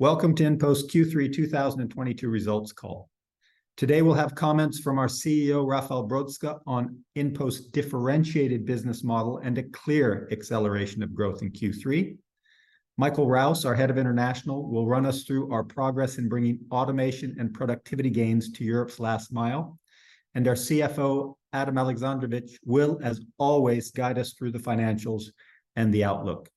Welcome to InPost Q3 2022 results call. Today, we'll have comments from our CEO, Rafał Brzoska, on InPost's differentiated business model and a clear acceleration of growth in Q3. Michael Rouse, our Head of International, will run us through our progress in bringing automation and productivity gains to Europe's last mile. Our CFO, Adam Aleksandrowicz, will, as always, guide us through the financials and the outlook.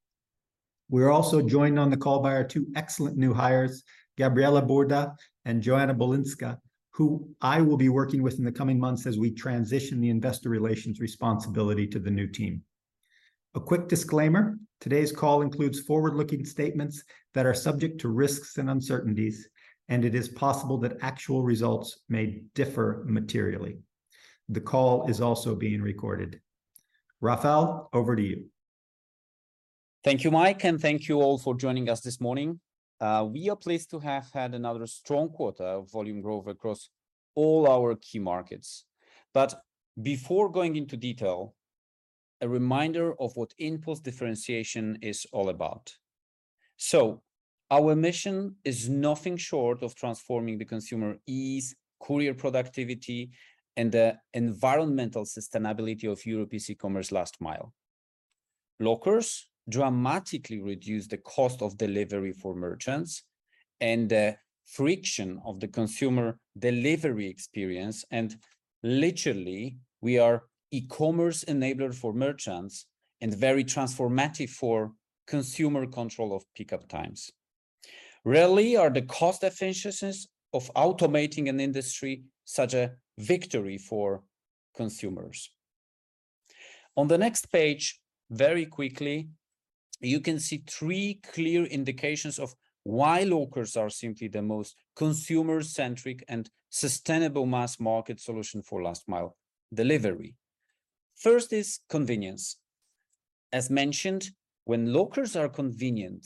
We're also joined on the call by our two excellent new hires, Gabriela Burdach and Joanna Bilińska, who I will be working with in the coming months as we transition the investor relations responsibility to the new team. A quick disclaimer, today's call includes forward-looking statements that are subject to risks and uncertainties, and it is possible that actual results may differ materially. The call is also being recorded. Rafał, over to you. Thank you, Mike, and thank you all for joining us this morning. We are pleased to have had another strong quarter of volume growth across all our key markets. Before going into detail, a reminder of what InPost differentiation is all about. Our mission is nothing short of transforming the consumer ease, courier productivity, and the environmental sustainability of European commerce last mile. Lockers dramatically reduce the cost of delivery for merchants and the friction of the consumer delivery experience, and literally, we are e-commerce enabler for merchants and very transformative for consumer control of pickup times. Rarely are the cost efficiencies of automating an industry such a victory for consumers. On the next page, very quickly, you can see three clear indications of why lockers are simply the most consumer-centric and sustainable mass market solution for last mile delivery. First is convenience. As mentioned, when lockers are convenient,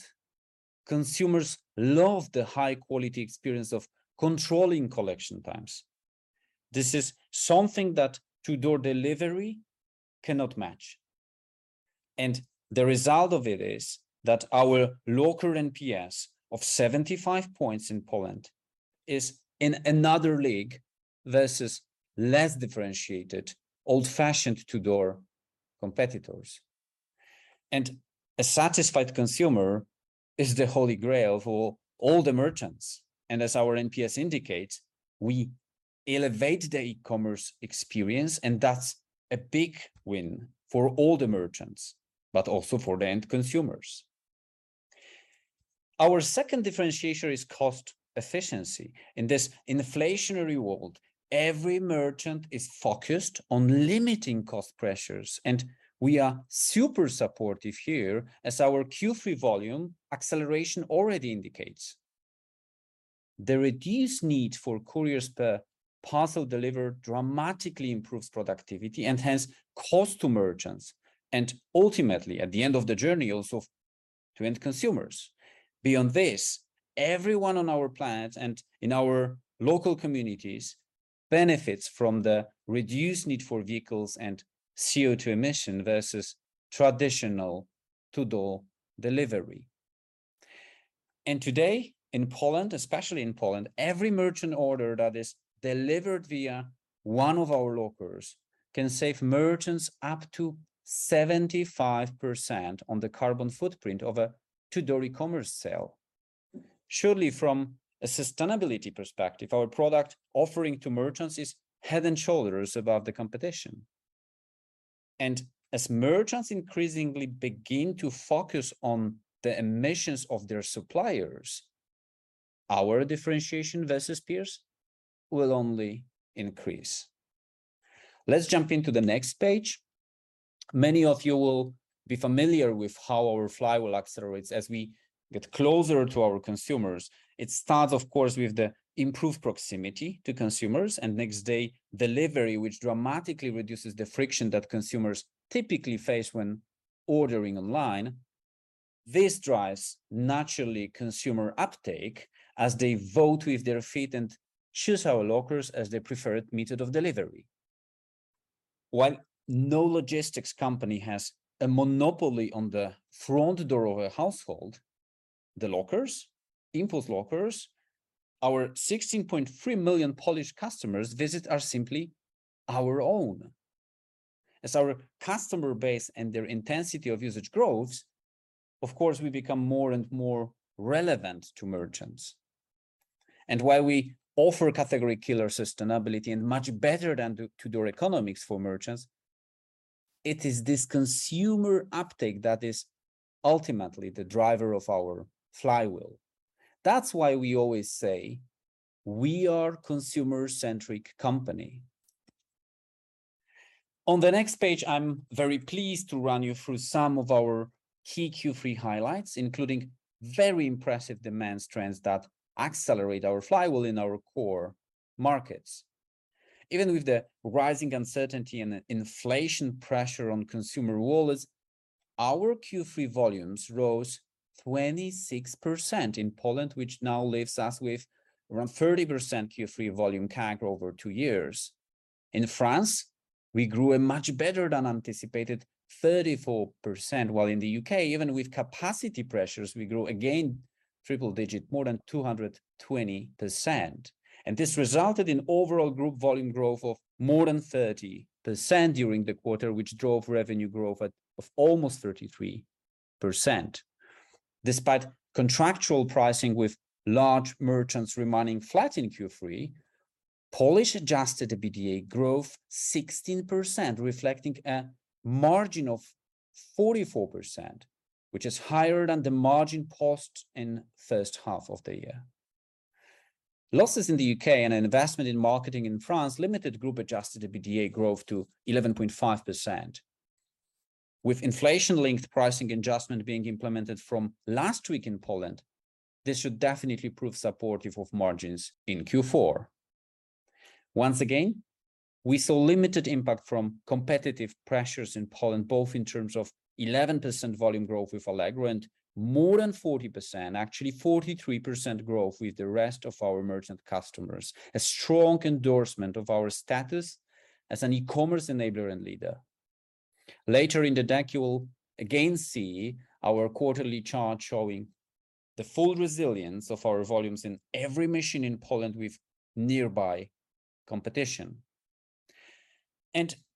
consumers love the high quality experience of controlling collection times. This is something that to-door delivery cannot match. The result of it is that our local NPS of 75 points in Poland is in another league versus less differentiated, old-fashioned to-door competitors. A satisfied consumer is the holy grail for all the merchants. As our NPS indicates, we elevate the e-commerce experience, and that's a big win for all the merchants, but also for the end consumers. Our second differentiator is cost efficiency. In this inflationary world, every merchant is focused on limiting cost pressures, and we are super supportive here as our Q3 volume acceleration already indicates. The reduced need for couriers per parcel delivered dramatically improves productivity and hence cost to merchants, and ultimately, at the end of the journey, also to end consumers. Beyond this, everyone on our planet and in our local communities benefits from the reduced need for vehicles and CO2 emission versus traditional to-door delivery. Today, in Poland, especially in Poland, every merchant order that is delivered via one of our lockers can save merchants up to 75% on the carbon footprint of a to-door e-commerce sale. Surely, from a sustainability perspective, our product offering to merchants is head and shoulders above the competition. As merchants increasingly begin to focus on the emissions of their suppliers, our differentiation versus peers will only increase. Let's jump into the next page. Many of you will be familiar with how our flywheel accelerates as we get closer to our consumers. It starts, of course, with the improved proximity to consumers and next day delivery, which dramatically reduces the friction that consumers typically face when ordering online. This drives naturally consumer uptake as they vote with their feet and choose our lockers as their preferred method of delivery. While no logistics company has a monopoly on the front door of a household, the lockers, InPost lockers, our 16.3 million Polish customers visit are simply our own. As our customer base and their intensity of usage grows, of course, we become more and more relevant to merchants. While we offer category killer sustainability and much better than to-door economics for merchants, it is this consumer uptake that is ultimately the driver of our flywheel. That's why we always say we are consumer-centric company. On the next page, I'm very pleased to run you through some of our key Q3 highlights, including very impressive demand trends that accelerate our flywheel in our core markets. Even with the rising uncertainty and inflation pressure on consumer wallets, our Q3 volumes rose 26% in Poland, which now leaves us with around 30% Q3 volume CAGR over two years. In France, we grew a much better than anticipated 34%, while in the U.K., even with capacity pressures, we grew again triple digit, more than 220%. This resulted in overall group volume growth of more than 30% during the quarter, which drove revenue growth at, of almost 33%. Despite contractual pricing with large merchants remaining flat in Q3, Polish adjusted EBITDA growth 16%, reflecting a margin of 44%, which is higher than the margin posted in first half of the year. Losses in the U.K. and an investment in marketing in France limited group adjusted EBITDA growth to 11.5%. With inflation-linked pricing adjustment being implemented from last week in Poland, this should definitely prove supportive of margins in Q4. Once again, we saw limited impact from competitive pressures in Poland, both in terms of 11% volume growth with Allegro and more than 40%, actually 43% growth with the rest of our merchant customers. A strong endorsement of our status as an e-commerce enabler and leader. Later in the deck, you will again see our quarterly chart showing the full resilience of our volumes in every machine in Poland with nearby competition.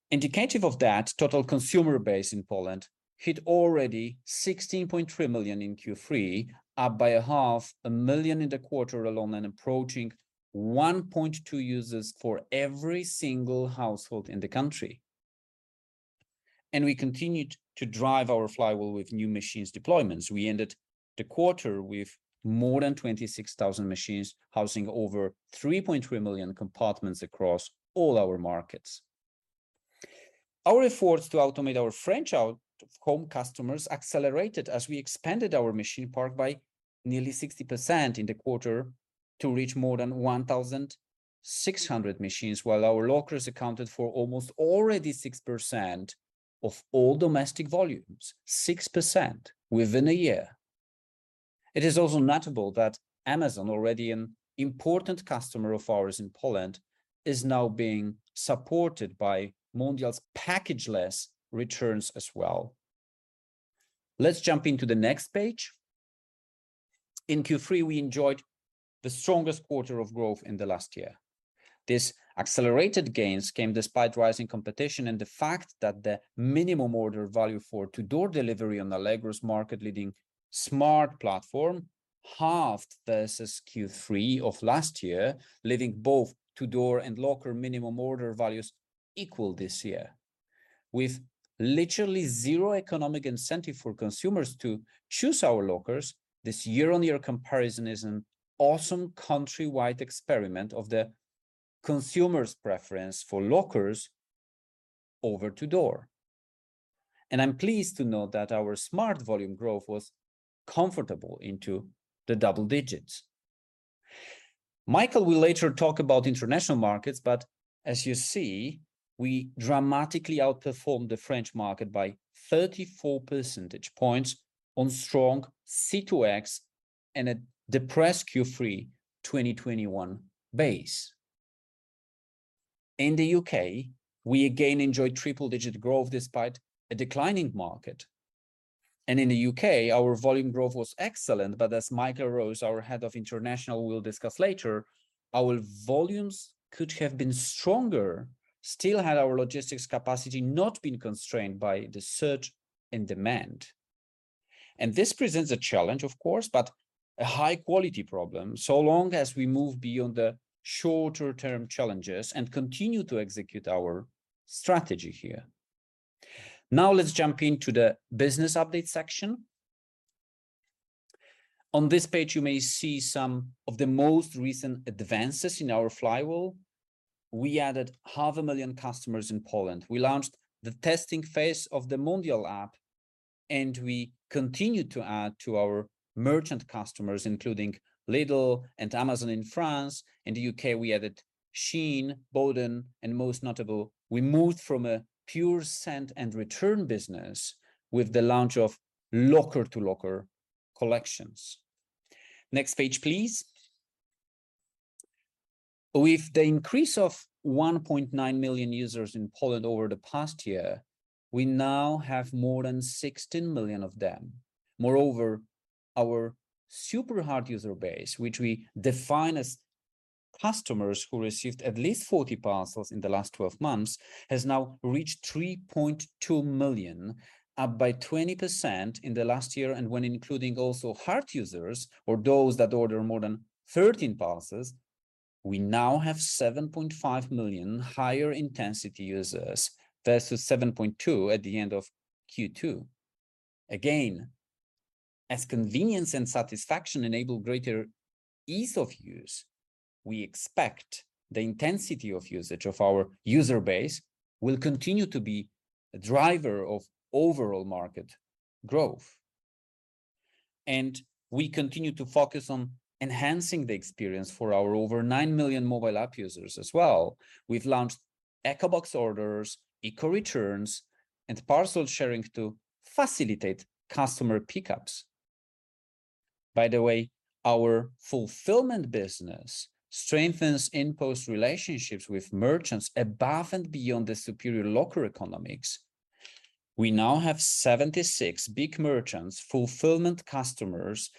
Indicative of that, total consumer base in Poland hit already 16.3 million in Q3, up by 0.5 million in the quarter alone and approaching 1.2 users for every single household in the country. We continued to drive our flywheel with new machines deployments. We ended the quarter with more than 26,000 machines, housing over 3.3 million compartments across all our markets. Our efforts to automate our French out-of-home customers accelerated as we expanded our machine park by nearly 60% in the quarter to reach more than 1,600 machines, while our lockers accounted for almost already 6% of all domestic volumes. 6% within a year. It is also notable that Amazon, already an important customer of ours in Poland, is now being supported by Mondial Relay's packageless returns as well. Let's jump into the next page. In Q3, we enjoyed the strongest quarter of growth in the last year. These accelerated gains came despite rising competition and the fact that the minimum order value for to-door delivery on Allegro's market-leading SMART platform halved versus Q3 of last year, leaving both to-door and locker minimum order values equal this year. With literally 0 economic incentive for consumers to choose our lockers, this year-on-year comparison is an awesome country-wide experiment of the consumer's preference for lockers over to-door. I'm pleased to note that our SMART volume growth was comfortable into the double digits. Michael will later talk about international markets, but as you see, we dramatically outperformed the French market by 34% points on strong B2C and a depressed Q3 2021 base. In the U.K., we again enjoyed triple-digit growth despite a declining market. In the U.K., Our volume growth was excellent, but as Michael Rouse, our Head of International, will discuss later, our volumes could have been stronger still had our logistics capacity not been constrained by the surge in demand. This presents a challenge of course, but a high quality problem so long as we move beyond the shorter term challenges and continue to execute our strategy here. Now let's jump into the business update section. On this page, you may see some of the most recent advances in our flywheel. We added half a million customers in Poland. We launched the testing phase of the Mondial app, and we continued to add to our merchant customers, including Lidl and Amazon in France. In the U.K., we added Shein, Boden, and most notable, we moved from a pure send and return business with the launch of locker-to-locker collections. Next page, please. With the increase of 1.9 million users in Poland over the past year, we now have more than 16 million of them. Moreover, our super hard user base, which we define as customers who received at least 40 parcels in the last 12 months, has now reached 3.2 million, up by 20% in the last year. When including also hard users or those that order more than 13 parcels, we now have 7.5 million higher intensity users versus 7.2 at the end of Q2. Again, as convenience and satisfaction enable greater ease of use, we expect the intensity of usage of our user base will continue to be a driver of overall market growth. We continue to focus on enhancing the experience for our over 9 million mobile app users as well. We've launched EkoBox orders, EkoReturns, and parcel sharing to facilitate customer pickups. By the way, our fulfillment business strengthens InPost relationships with merchants above and beyond the superior locker economics. We now have 76 big merchants, fulfillment customers,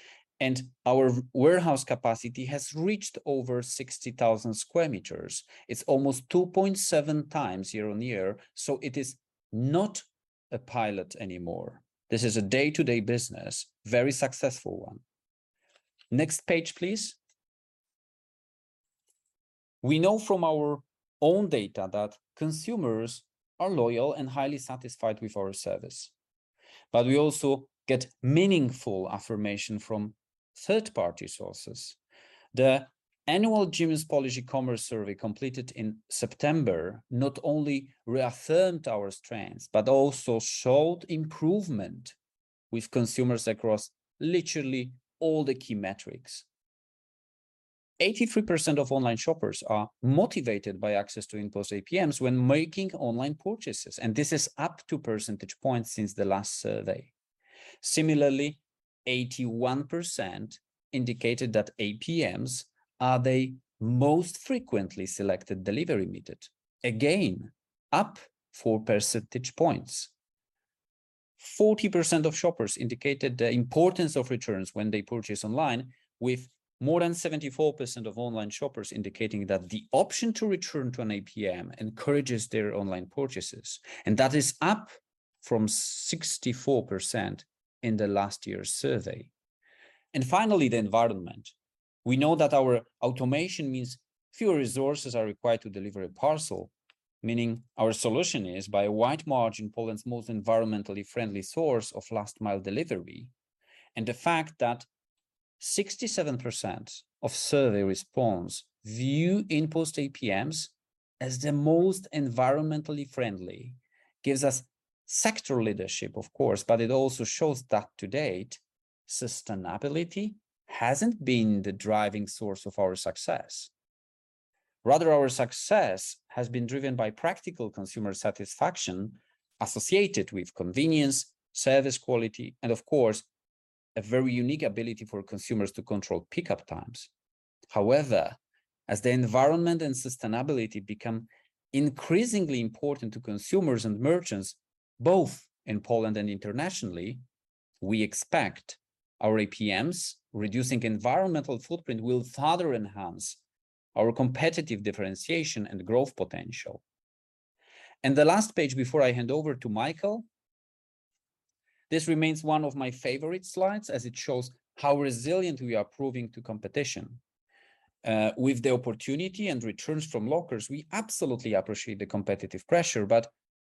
and our warehouse capacity has reached over 60,000 square meters. It's almost 2.7x year-on-year, so it is not a pilot anymore. This is a day-to-day business, very successful one. Next page, please. We know from our own data that consumers are loyal and highly satisfied with our service, but we also get meaningful affirmation from third-party sources. The annual Gemius Poland E-commerce survey completed in September not only reaffirmed our strengths but also showed improvement with consumers across literally all the key metrics. 83% of online shoppers are motivated by access to InPost APMs when making online purchases, and this is up 2% points since the last survey. Similarly, 81% indicated that APMs are their most frequently selected delivery method, again up 4% points. 40% of shoppers indicated the importance of returns when they purchase online, with more than 74% of online shoppers indicating that the option to return to an APM encourages their online purchases, and that is up from 64% in the last year's survey. Finally, the environment. We know that our automation means fewer resources are required to deliver a parcel, meaning our solution is by a wide margin Poland's most environmentally friendly source of last-mile delivery. The fact that 67% of survey response view InPost APMs as the most environmentally friendly gives us sector leadership, of course, but it also shows that to date, sustainability hasn't been the driving source of our success. Rather, our success has been driven by practical consumer satisfaction associated with convenience, service quality, and of course, a very unique ability for consumers to control pickup times. However, as the environment and sustainability become increasingly important to consumers and merchants, both in Poland and internationally, we expect our APMs reducing environmental footprint will further enhance our competitive differentiation and growth potential. The last page before I hand over to Michael, this remains one of my favorite slides as it shows how resilient we are proving to competition. With the opportunity and returns from lockers, we absolutely appreciate the competitive pressure,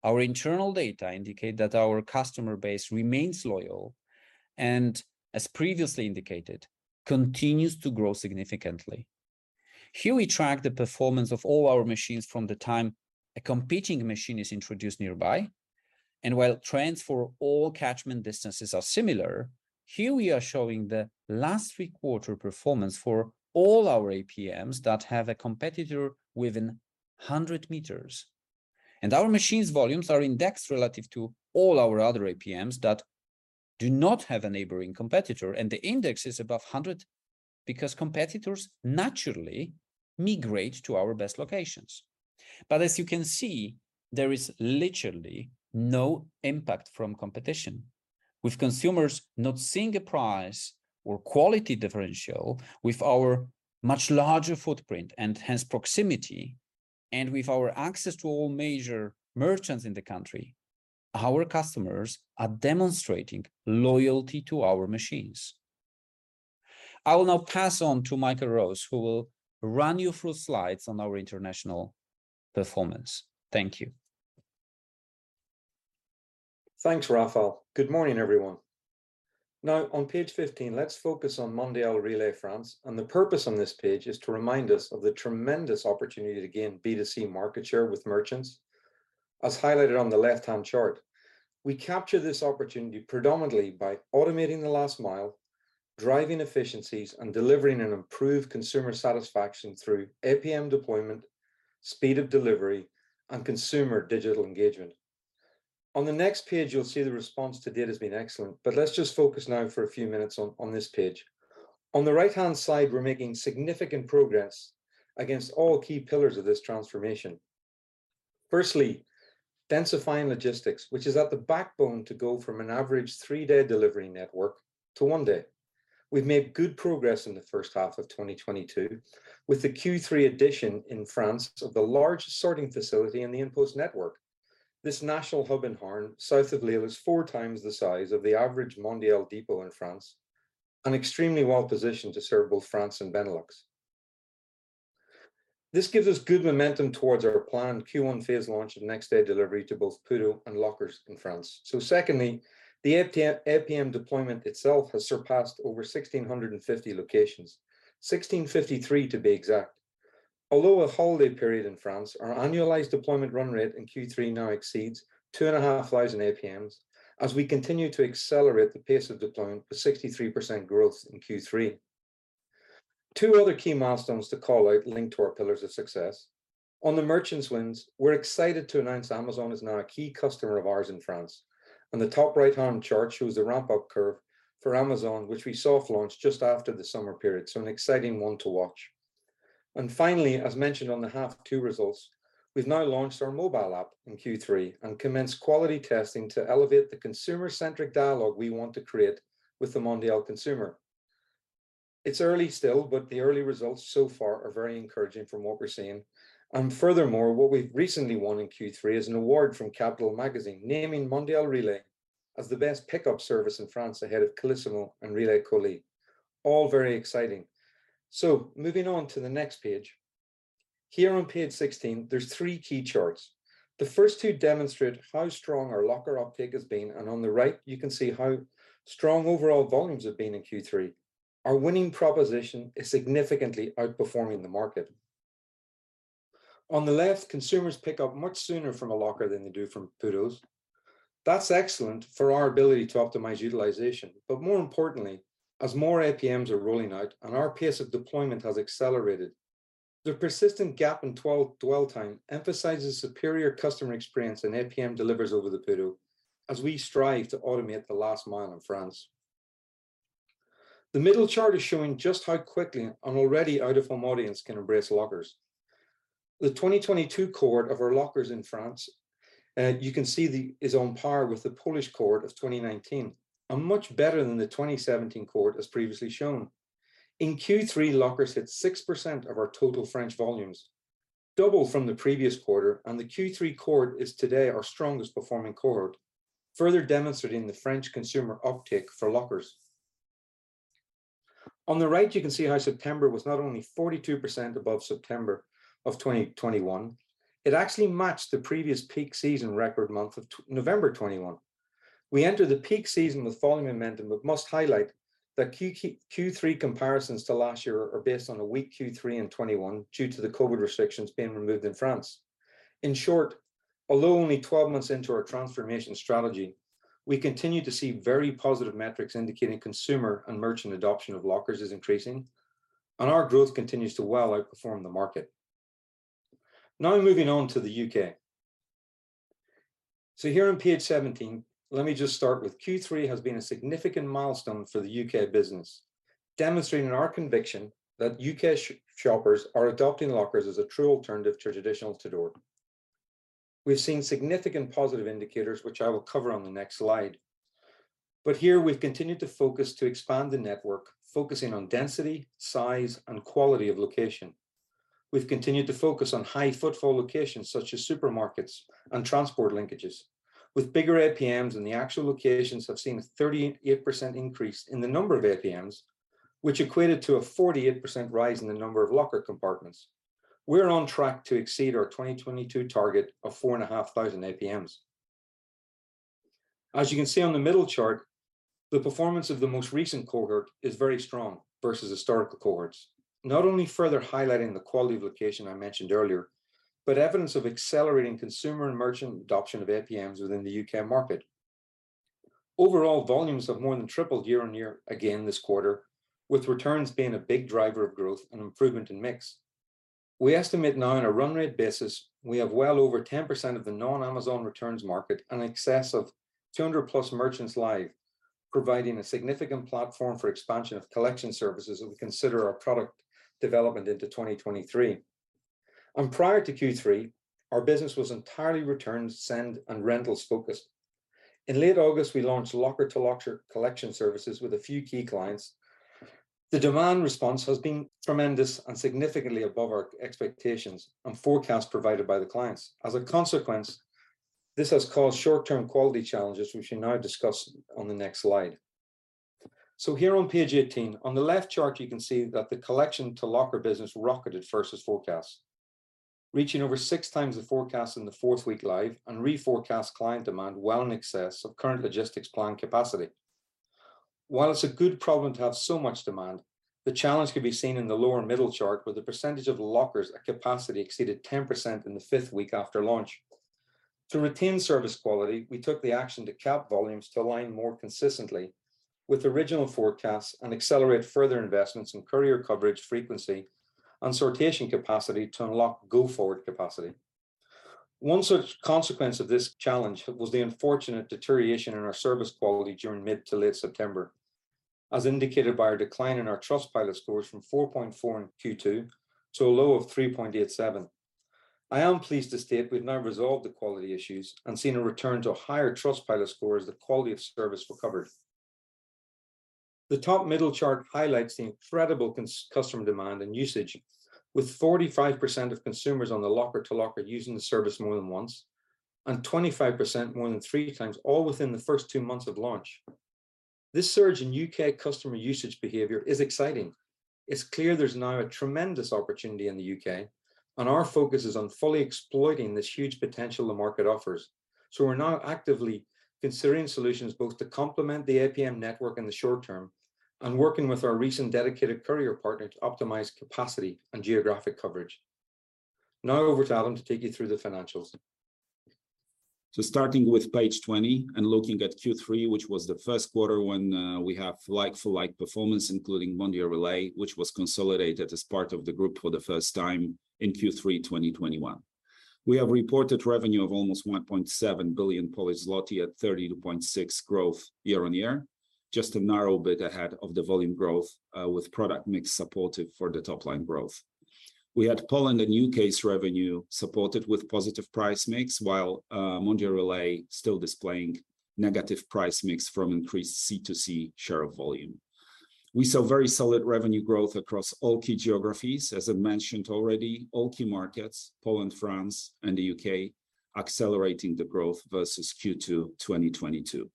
but our internal data indicate that our customer base remains loyal and, as previously indicated, continues to grow significantly. Here we track the performance of all our machines from the time a competing machine is introduced nearby. While trends for all catchment distances are similar, here we are showing the last three quarter performance for all our APMs that have a competitor within 100 meters. Our machines' volumes are indexed relative to all our other APMs that do not have a neighboring competitor. The index is above 100 because competitors naturally migrate to our best locations. As you can see, there is literally no impact from competition. With consumers not seeing a price or quality differential with our much larger footprint, enhanced proximity, and with our access to all major merchants in the country, our customers are demonstrating loyalty to our machines. I will now pass on to Michael Rouse, who will run you through slides on our international performance. Thank you. Thanks, Rafał. Good morning, everyone. Now, on page 15, let's focus on Mondial Relay France, and the purpose on this page is to remind us of the tremendous opportunity to gain B2C market share with merchants, as highlighted on the left-hand chart. We capture this opportunity predominantly by automating the last mile, driving efficiencies, and delivering an improved consumer satisfaction through APM deployment, speed of delivery, and consumer digital engagement. On the next page, you'll see the response to date has been excellent, but let's just focus now for a few minutes on this page. On the right-hand side, we're making significant progress against all key pillars of this transformation. Firstly, densifying logistics, which is at the backbone to go from an average 3-day delivery network to 1 day. We've made good progress in the first half of 2022 with the Q3 addition in France of the largest sorting facility in the InPost network. This national hub in Harnes, south of Lille, is 4x the size of the average Mondial depot in France and extremely well-positioned to serve both France and Benelux. This gives us good momentum towards our planned Q1 phase launch of next-day delivery to both PUDO and lockers in France. Secondly, the APM deployment itself has surpassed over 1,650 locations, 1,653 to be exact. Although a holiday period in France, our annualized deployment run rate in Q3 now exceeds 2,500 APMs as we continue to accelerate the pace of deployment with 63% growth in Q3. Two other key milestones to call out linked to our pillars of success. On the merchants wins, we're excited to announce Amazon is now a key customer of ours in France. On the top right-hand chart shows the ramp-up curve for Amazon, which we soft launched just after the summer period, so an exciting one to watch. Finally, as mentioned on the half two results, we've now launched our mobile app in Q3 and commenced quality testing to elevate the consumer-centric dialogue we want to create with the Mondial consumer. It's early still, but the early results so far are very encouraging from what we're seeing. Furthermore, what we've recently won in Q3 is an award from Capital magazine naming Mondial Relay as the best pickup service in France ahead of Colissimo and Relais Colis. All very exciting. Moving on to the next page. Here on page 16, there's three key charts. The first two demonstrate how strong our locker uptake has been, and on the right you can see how strong overall volumes have been in Q3. Our winning proposition is significantly outperforming the market. On the left, consumers pick up much sooner from a locker than they do from PUDOs. That's excellent for our ability to optimize utilization, but more importantly, as more APMs are rolling out and our pace of deployment has accelerated, the persistent gap in dwell time emphasizes superior customer experience, and APM delivers over the PUDO as we strive to automate the last mile in France. The middle chart is showing just how quickly an already out-of-home audience can embrace lockers. The 2022 cohort of our lockers in France is on par with the Polish cohort of 2019 and much better than the 2017 cohort as previously shown. In Q3, lockers hit 6% of our total French volumes, double from the previous quarter, and the Q3 cohort is today our strongest performing cohort, further demonstrating the French consumer uptake for lockers. On the right, you can see how September was not only 42% above September of 2021, it actually matched the previous peak season record month of November 2021. We enter the peak season with falling momentum, but must highlight that Q3 comparisons to last year are based on a weak Q3 in 2021 due to the COVID restrictions being removed in France. In short, although only 12 months into our transformation strategy, we continue to see very positive metrics indicating consumer and merchant adoption of lockers is increasing, and our growth continues to well outperform the market. Now moving on to the U.K. Here on page 17, let me just start with Q3 has been a significant milestone for the U.K. Business, demonstrating our conviction that U.K. shoppers are adopting lockers as a true alternative to traditional to-door. We've seen significant positive indicators, which I will cover on the next slide. Here we've continued to focus to expand the network, focusing on density, size, and quality of location. We've continued to focus on high footfall locations such as supermarkets and transport linkages. With bigger APMs in the actual locations, we have seen a 38% increase in the number of APMs, which equated to a 48% rise in the number of locker compartments. We're on track to exceed our 2022 target of 4,500 APMs. As you can see on the middle chart, the performance of the most recent cohort is very strong versus historical cohorts, not only further highlighting the quality of location I mentioned earlier, but evidence of accelerating consumer and merchant adoption of APMs within the U.K. market. Overall volumes have more than tripled year-on-year again this quarter, with returns being a big driver of growth and improvement in mix. We estimate now on a run rate basis, we have well over 10% of the non-Amazon returns market in excess of 200+ merchants live, providing a significant platform for expansion of collection services as we consider our product development into 2023. Prior to Q3, our business was entirely returns, send, and rentals focused. In late August, we launched locker-to-locker collection services with a few key clients. The demand response has been tremendous and significantly above our expectations and forecasts provided by the clients. As a consequence, this has caused short-term quality challenges, which I now discuss on the next slide. Here on page 18, on the left chart, you can see that the collection to locker business rocketed versus forecast, reaching over 6x the forecast in the fourth week live and reforecast client demand well in excess of current logistics plan capacity. While it's a good problem to have so much demand, the challenge can be seen in the lower middle chart, where the percentage of lockers at capacity exceeded 10% in the fifth week after launch. To retain service quality, we took the action to cap volumes to align more consistently with original forecasts and accelerate further investments in courier coverage frequency and sortation capacity to unlock go-forward capacity. One such consequence of this challenge was the unfortunate deterioration in our service quality during mid to late September, as indicated by our decline in our Trustpilot scores from 4.4 in Q2 to a low of 3.87. I am pleased to state we've now resolved the quality issues and seen a return to higher Trustpilot score as the quality of service recovered. The top middle chart highlights the incredible customer demand and usage, with 45% of consumers on the locker-to-locker using the service more than once, and 25% more than 3x, all within the first 2 months of launch. This surge in U.K. customer usage behavior is exciting. It's clear there's now a tremendous opportunity in the U.K., and our focus is on fully exploiting this huge potential the market offers. We're now actively considering solutions both to complement the APM network in the short term and working with our recent dedicated courier partner to optimize capacity and geographic coverage. Now over to Adam to take you through the financials. Starting with page 20 and looking at Q3, which was the first quarter when we have like-for-like performance, including Mondial Relay, which was consolidated as part of the group for the first time in Q3 2021. We have reported revenue of almost 1.7 billion Polish zloty at 30.6% growth year-on-year. Just a narrow bit ahead of the volume growth, with product mix supportive for the top line growth. We had Poland and U.K.'s revenue supported with positive price mix, while Mondial Relay still displaying negative price mix from increased C2C share of volume. We saw very solid revenue growth across all key geographies, as I've mentioned already, all key markets, Poland, France, and the U.K., accelerating the growth versus Q2 2022.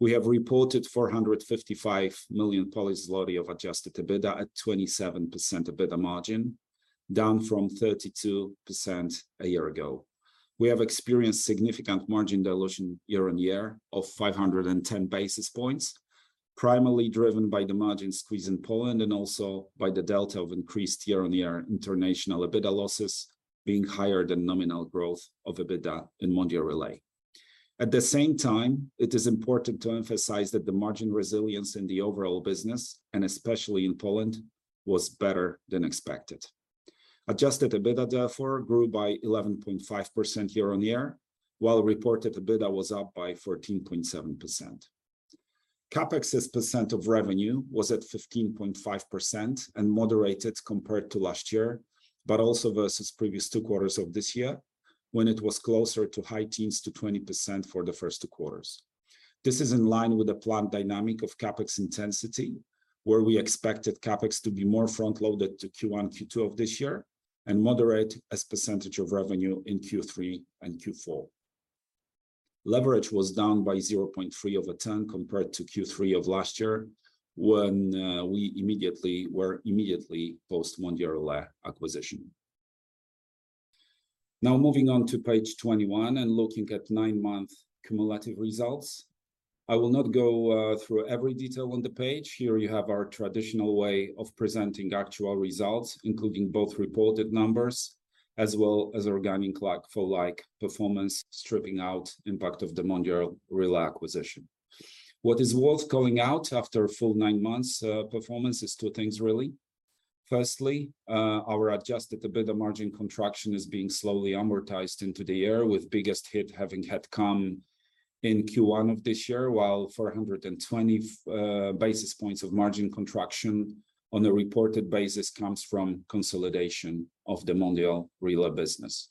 We have reported 455 million of adjusted EBITDA at 27% EBITDA margin, down from 32% a year ago. We have experienced significant margin dilution year-over-year of 510 basis points, primarily driven by the margin squeeze in Poland and also by the delta of increased year-over-year international EBITDA losses being higher than nominal growth of EBITDA in Mondial Relay. At the same time, it is important to emphasize that the margin resilience in the overall business, and especially in Poland, was better than expected. Adjusted EBITDA, therefore, grew by 11.5% year-over-year, while reported EBITDA was up by 14.7%. CapEx as percent of revenue was at 15.5% and moderated compared to last year, but also versus previous two quarters of this year, when it was closer to high teens-20% for the first two quarters. This is in line with the planned dynamic of CapEx intensity, where we expected CapEx to be more front-loaded to Q1, Q2 of this year and moderate as percentage of revenue in Q3 and Q4. Leverage was down by 0.3x compared to Q3 of last year when we were immediately post Mondial Relay acquisition. Now moving on to page 21 and looking at nine-month cumulative results. I will not go through every detail on the page. Here you have our traditional way of presenting actual results, including both reported numbers as well as organic like-for-like performance, stripping out impact of the Mondial Relay acquisition. What is worth calling out after a full nine months performance is two things really. Firstly, our adjusted EBITDA margin contraction is being slowly amortized into the year, with biggest hit having had come in Q1 of this year, while 420 basis points of margin contraction on a reported basis comes from consolidation of the Mondial Relay business.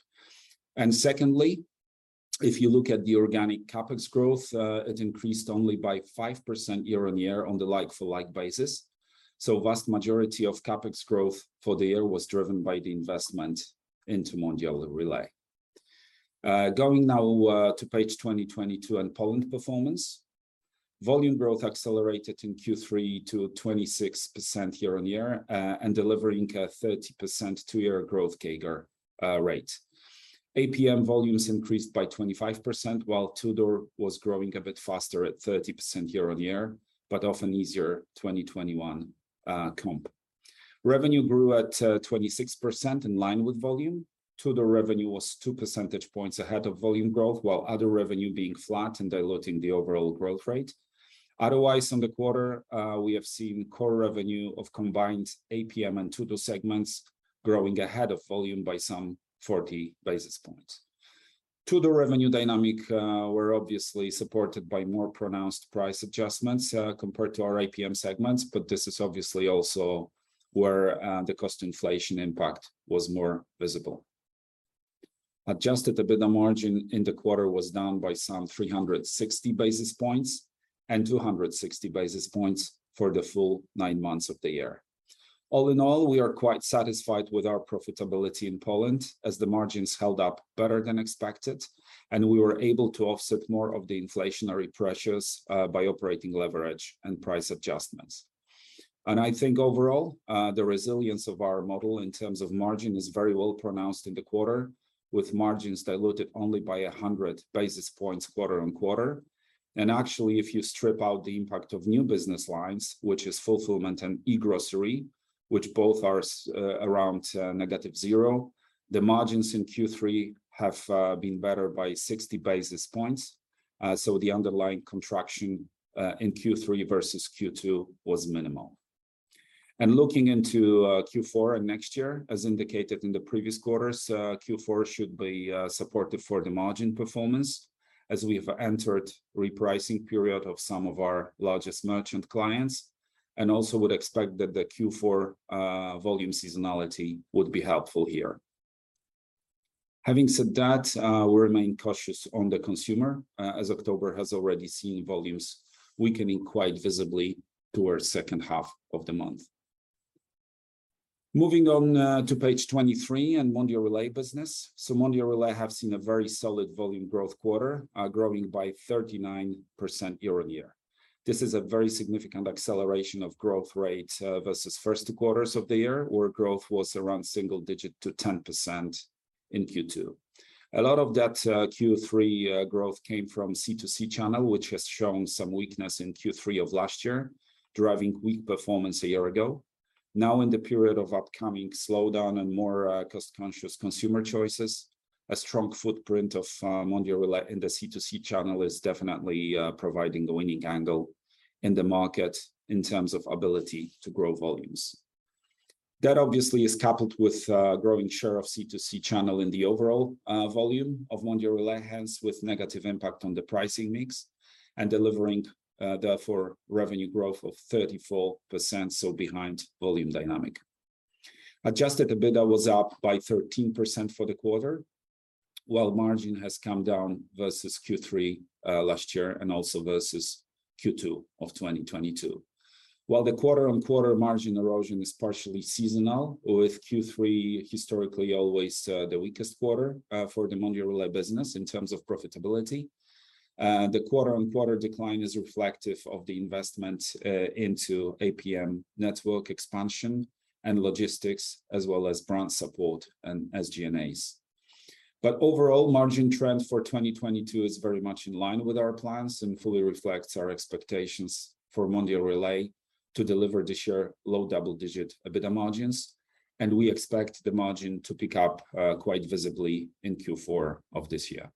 Secondly, if you look at the organic CapEx growth, it increased only by 5% year-on-year on the like-for-like basis. Vast majority of CapEx growth for the year was driven by the investment into Mondial Relay. Going now to page 22 and Poland performance. Volume growth accelerated in Q3 to 26% year-on-year and delivering a 30% two-year growth CAGR rate. APM volumes increased by 25%, while to-door was growing a bit faster at 30% year-on-year, but off an easier 2021 comp. Revenue grew at 26% in line with volume. to-door revenue was two percentage points ahead of volume growth, while other revenue being flat and diluting the overall growth rate. Otherwise, on the quarter, we have seen core revenue of combined APM and to-door segments growing ahead of volume by some 40 basis points. To-door revenue dynamic were obviously supported by more pronounced price adjustments compared to our APM segments, but this is obviously also where the cost inflation impact was more visible. Adjusted EBITDA margin in the quarter was down by some 360 basis points and 260 basis points for the full nine months of the year. All in all, we are quite satisfied with our profitability in Poland as the margins held up better than expected, and we were able to offset more of the inflationary pressures by operating leverage and price adjustments. I think overall the resilience of our model in terms of margin is very well pronounced in the quarter, with margins diluted only by 100 basis points quarter-over-quarter. Actually, if you strip out the impact of new business lines, which is fulfillment and e-grocery, which both are around negative zero, the margins in Q3 have been better by 60 basis points. The underlying contraction in Q3 versus Q2 was minimal. Looking into Q4 and next year, as indicated in the previous quarters, Q4 should be supportive for the margin performance as we have entered repricing period of some of our largest merchant clients and also would expect that the Q4 volume seasonality would be helpful here. Having said that, we remain cautious on the consumer, as October has already seen volumes weakening quite visibly towards second half of the month. Moving on to page 23 and Mondial Relay business. Mondial Relay have seen a very solid volume growth quarter, growing by 39% year-on-year. This is a very significant acceleration of growth rate versus first quarters of the year, where growth was around single digit to 10% in Q2. A lot of that, Q3, growth came from C2C channel, which has shown some weakness in Q3 of last year, driving weak performance a year ago. Now in the period of upcoming slowdown and more, cost-conscious consumer choices, a strong footprint of, Mondial Relay in the C2C channel is definitely, providing a winning angle in the market in terms of ability to grow volumes. That obviously is coupled with, growing share of C2C channel in the overall, volume of Mondial Relay, hence, with negative impact on the pricing mix and delivering, therefore, revenue growth of 34%, so behind volume dynamic. Adjusted EBITDA was up by 13% for the quarter, while margin has come down versus Q3 last year and also versus Q2 of 2022. While the quarter-on-quarter margin erosion is partially seasonal, with Q3 historically always the weakest quarter for the Mondial Relay business in terms of profitability, the quarter-on-quarter decline is reflective of the investment into APM network expansion and logistics as well as brand support and SG&A. Overall, margin trend for 2022 is very much in line with our plans and fully reflects our expectations for Mondial Relay to deliver this year low double-digit EBITDA margins, and we expect the margin to pick up quite visibly in Q4 of this year.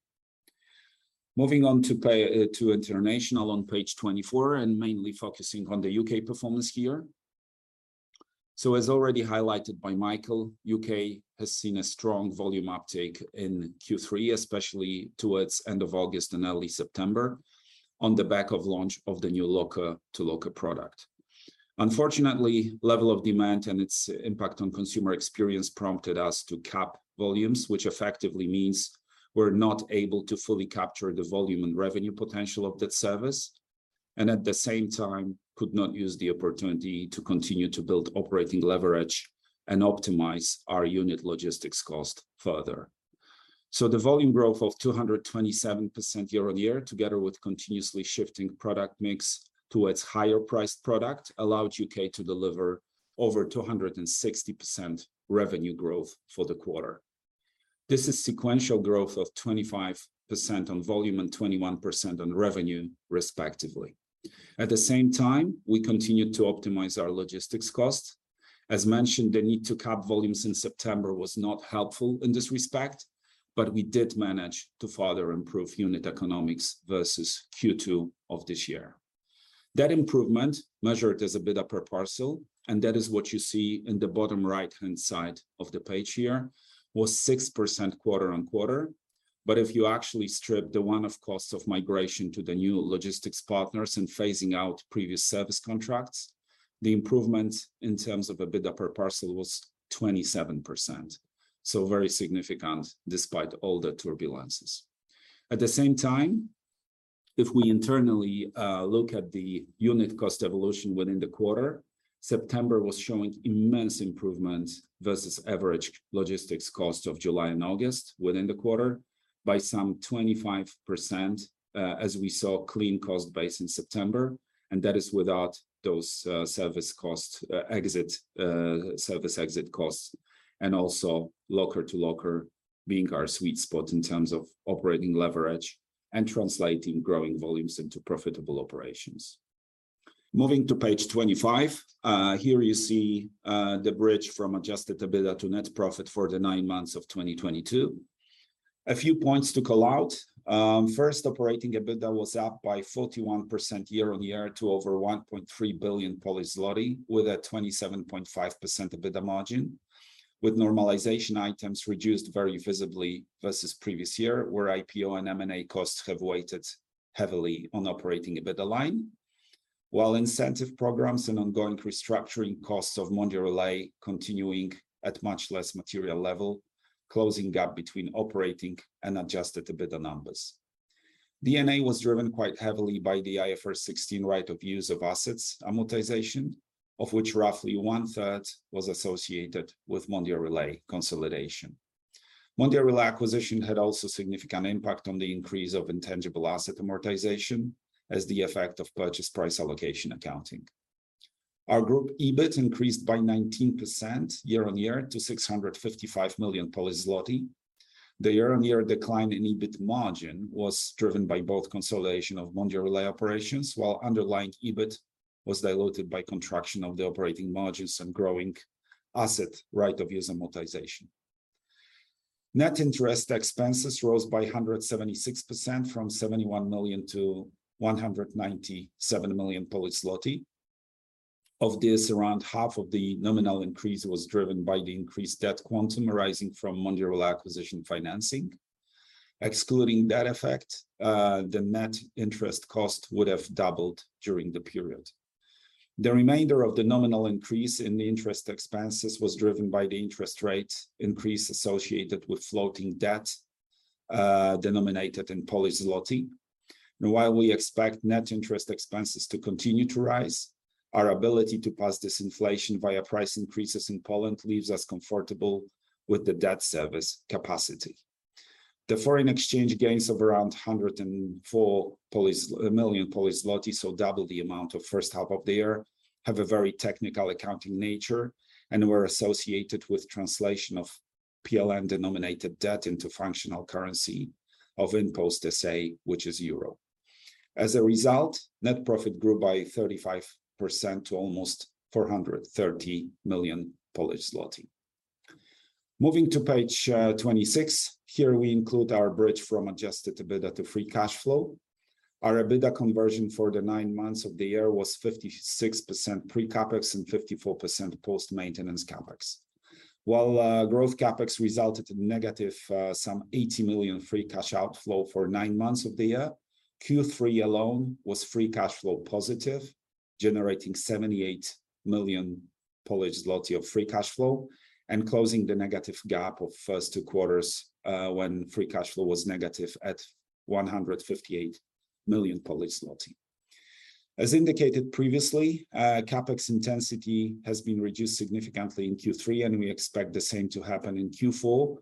Moving on to international on page 24, and mainly focusing on the U.K. performance here. As already highlighted by Michael, U.K. has seen a strong volume uptake in Q3, especially towards end of August and early September, on the back of launch of the new locker-to-locker product. Unfortunately, level of demand and its impact on consumer experience prompted us to cap volumes, which effectively means we're not able to fully capture the volume and revenue potential of that service, and at the same time could not use the opportunity to continue to build operating leverage and optimize our unit logistics cost further. The volume growth of 227% year-on-year, together with continuously shifting product mix towards higher priced product, allowed U.K. to deliver over 260% revenue growth for the quarter. This is sequential growth of 25% on volume and 21% on revenue respectively. At the same time, we continued to optimize our logistics costs. As mentioned, the need to cap volumes in September was not helpful in this respect, but we did manage to further improve unit economics versus Q2 of this year. That improvement, measured as EBITDA per parcel, and that is what you see in the bottom right-hand side of the page here, was 6% quarter-on-quarter. If you actually strip the one-off costs of migration to the new logistics partners and phasing out previous service contracts, the improvement in terms of EBITDA per parcel was 27%. Very significant despite all the turbulences. At the same time, if we internally look at the unit cost evolution within the quarter, September was showing immense improvement versus average logistics cost of July and August within the quarter by some 25%, as we saw clean cost base in September, and that is without those service exit costs, and also locker-to-locker being our sweet spot in terms of operating leverage and translating growing volumes into profitable operations. Moving to page 25. Here you see the bridge from adjusted EBITDA to net profit for the nine months of 2022. A few points to call out. First, operating EBITDA was up by 41% year-on-year to over 1.3 billion, with a 27.5% EBITDA margin, with normalization items reduced very visibly versus previous year, where IPO and M&A costs have weighed heavily on operating EBITDA line. Incentive programs and ongoing restructuring costs of Mondial Relay continuing at much less material level, closing gap between operating and adjusted EBITDA numbers. D&A was driven quite heavily by the IFRS 16 right-of-use assets amortization, of which roughly one-third was associated with Mondial Relay consolidation. Mondial Relay acquisition had also significant impact on the increase of intangible asset amortization as the effect of purchase price allocation accounting. Our group EBIT increased by 19% year-on-year to 655 million zloty. The year-on-year decline in EBIT margin was driven by both consolidation of Mondial Relay operations, while underlying EBIT was diluted by contraction of the operating margins and growing asset right-of-use amortization. Net interest expenses rose by 176% from 71 million-197 million. Of this, around half of the nominal increase was driven by the increased debt quantum arising from Mondial Relay acquisition financing. Excluding that effect, the net interest cost would have doubled during the period. The remainder of the nominal increase in the interest expenses was driven by the interest rate increase associated with floating debt, denominated in Polish zloty. While we expect net interest expenses to continue to rise, our ability to pass this inflation via price increases in Poland leaves us comfortable with the debt service capacity. The foreign exchange gains of around 104 million PLN, so double the amount of the first half of the year, have a very technical accounting nature and were associated with translation of PLN denominated debt into functional currency of InPost S.A., which is Euro. As a result, net profit grew by 35% to almost 430 million Polish zloty. Moving to page 26, here we include our bridge from adjusted EBITDA to free cash flow. Our EBITDA conversion for the nine months of the year was 56% pre-CapEx and 54% post-maintenance CapEx. While growth CapEx resulted in negative some 80 million free cash outflow for nine months of the year, Q3 alone was free cash flow positive, generating 78 million Polish zloty of free cash flow and closing the negative gap of first two quarters, when free cash flow was negative at 158 million. As indicated previously, CapEx intensity has been reduced significantly in Q3, and we expect the same to happen in Q4,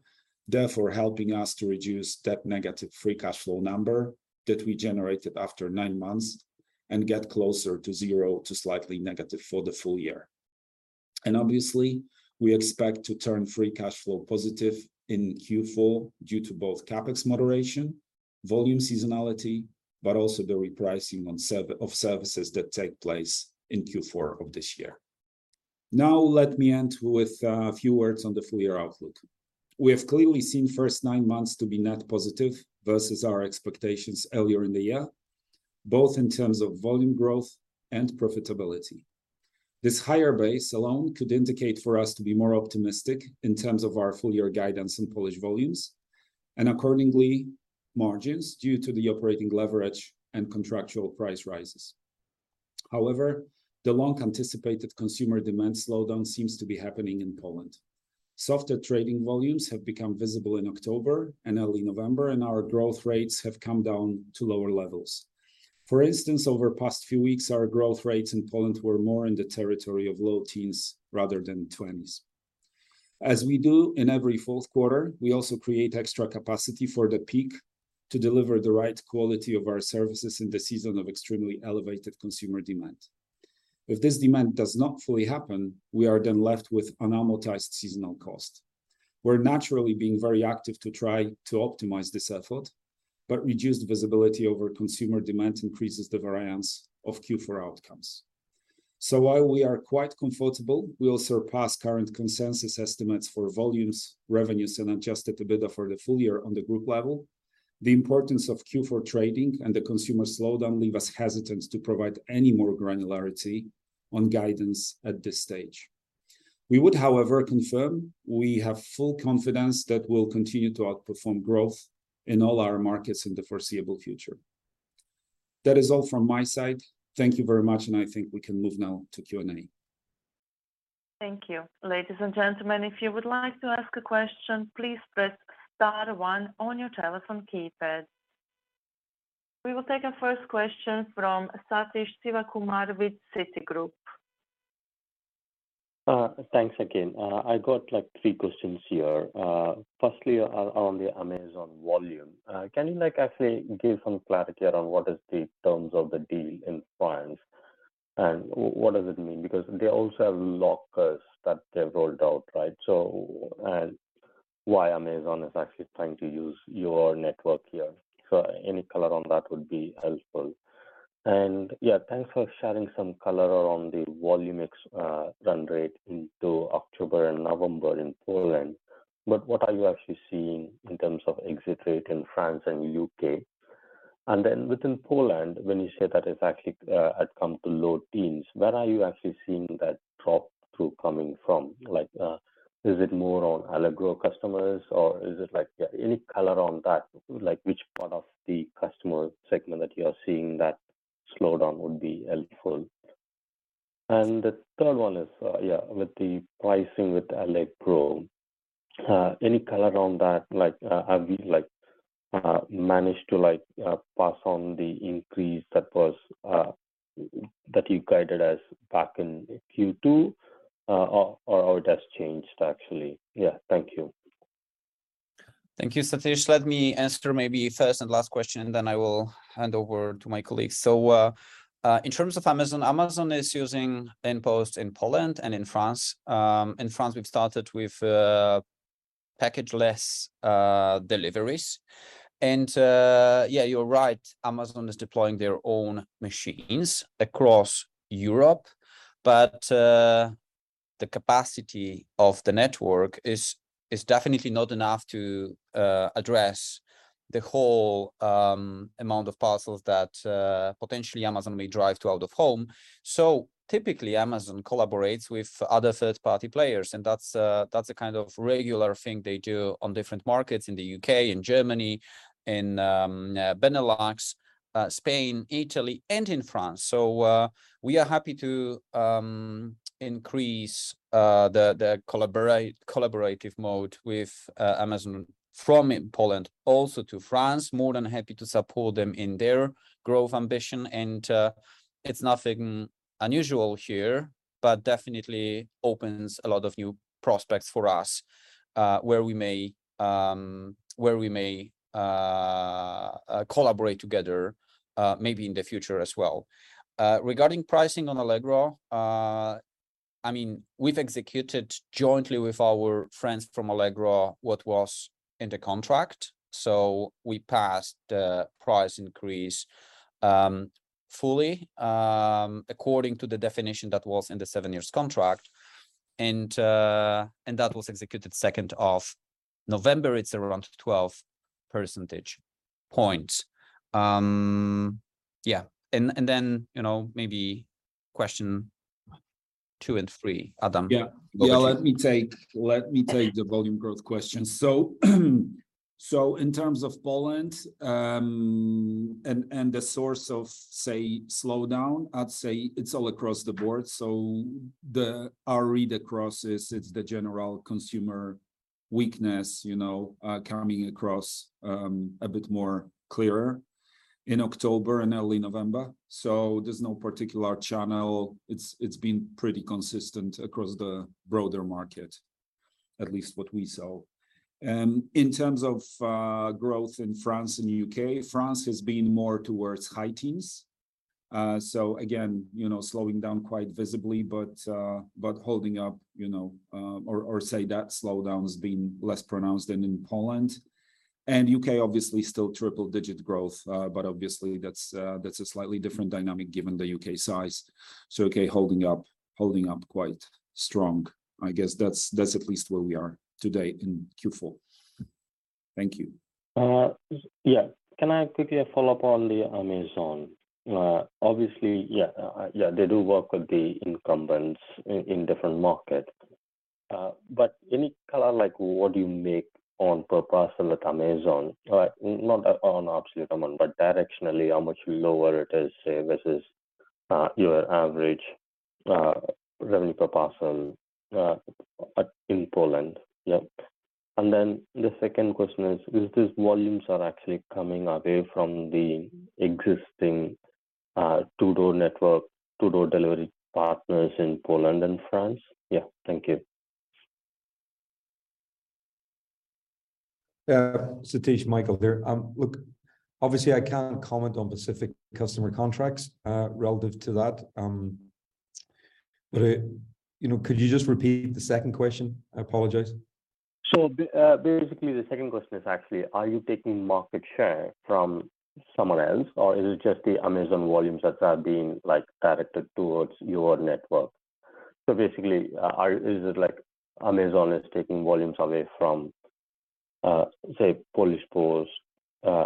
therefore helping us to reduce that negative free cash flow number that we generated after nine months and get closer to zero to slightly negative for the full year. Obviously, we expect to turn free cash flow positive in Q4 due to both CapEx moderation, volume seasonality, but also the repricing of services that take place in Q4 of this year. Now, let me end with a few words on the full year outlook. We have clearly seen first nine months to be net positive versus our expectations earlier in the year, both in terms of volume growth and profitability. This higher base alone could indicate for us to be more optimistic in terms of our full year guidance in Polish volumes and accordingly margins due to the operating leverage and contractual price rises. However, the long-anticipated consumer demand slowdown seems to be happening in Poland. Softer trading volumes have become visible in October and early November, and our growth rates have come down to lower levels. For instance, over past few weeks, our growth rates in Poland were more in the territory of low teens rather than twenties. As we do in every fourth quarter, we also create extra capacity for the peak to deliver the right quality of our services in the season of extremely elevated consumer demand. If this demand does not fully happen, we are then left with unamortized seasonal cost. We're naturally being very active to try to optimize this effort, but reduced visibility over consumer demand increases the variance of Q4 outcomes. While we are quite comfortable we'll surpass current consensus estimates for volumes, revenues and adjusted EBITDA for the full year on the group level, the importance of Q4 trading and the consumer slowdown leave us hesitant to provide any more granularity on guidance at this stage. We would, however, confirm we have full confidence that we'll continue to outperform growth in all our markets in the foreseeable future. That is all from my side. Thank you very much and I think we can move now to Q&A. Thank you. Ladies and gentlemen, if you would like to ask a question, please press star one on your telephone keypad. We will take a first question from Sathish Sivakumar with Citigroup. Thanks again. I got, like, three questions here. Firstly, on the Amazon volume. Can you, like, actually give some clarity on what is the terms of the deal in France, and what does it mean? Because they also have lockers that they've rolled out, right? Why Amazon is actually trying to use your network here. Any color on that would be helpful. Yeah, thanks for sharing some color on the volume run rate into October and November in Poland. What are you actually seeing in terms of exit rate in France and U.K.? Within Poland, when you say that it's actually had come to low teens, where are you actually seeing that drop through coming from? Like, is it more on Allegro customers or is it like... Yeah, any color on that, like, which part of the customer segment that you are seeing that slowdown would be helpful. The third one is with the pricing with Allegro, any color on that? Like, have you, like, managed to, like, pass on the increase that you guided us back in Q2? Or it has changed actually? Yeah. Thank you. Thank you, Sathish. Let me answer maybe first and last question, then I will hand over to my colleagues. In terms of Amazon is using InPost in Poland and in France. In France, we've started with packageless deliveries. Yeah, you're right, Amazon is deploying their own machines across Europe. The capacity of the network is definitely not enough to address the whole amount of parcels that potentially Amazon may drive to out of home. Typically, Amazon collaborates with other third-party players, and that's a kind of regular thing they do on different markets in the U.K., in Germany, in Benelux, Spain, Italy, and in France. We are happy to increase the collaborative mode with Amazon from Poland also to France. More than happy to support them in their growth ambition. It's nothing unusual here, but definitely opens a lot of new prospects for us, where we may Collaborate together, maybe in the future as well. Regarding pricing on Allegro, I mean, we've executed jointly with our friends from Allegro what was in the contract, so we passed the price increase, fully, according to the definition that was in the 7 years contract and that was executed second of November. It's around 12% points. Yeah. Then, you know, maybe question two and three, Adam. Yeah. Over to you. Yeah, let me take the volume growth question. In terms of Poland and the source of, say, slowdown, I'd say it's all across the board. Our read across is it's the general consumer weakness, you know, coming across a bit more clearer in October and early November. There's no particular channel. It's been pretty consistent across the broader market, at least what we saw. In terms of growth in France and U.K., France has been more towards high teens. Again, you know, slowing down quite visibly, but holding up, you know. Or say that slowdown's been less pronounced than in Poland. U.K. obviously still triple digit growth, but obviously that's a slightly different dynamic given the U.K. size. U.K. holding up quite strong. I guess that's at least where we are today in Q4. Thank you. Can I quickly follow up on the Amazon? Obviously, they do work with the incumbents in different markets. But any color, like what do you make on per parcel with Amazon? Or not on absolute amount, but directionally, how much lower it is, say, versus your average revenue per parcel in Poland? The second question is, are these volumes actually coming away from the existing to-door network, to-door delivery partners in Poland and France? Thank you. Satish, Michael here. Look, obviously, I can't comment on specific customer contracts relative to that. You know, could you just repeat the second question? I apologize. Basically, the second question is actually, are you taking market share from someone else or is it just the Amazon volumes that are being like directed towards your network? Basically, is it like Amazon is taking volumes away from, say, Poczta Polska,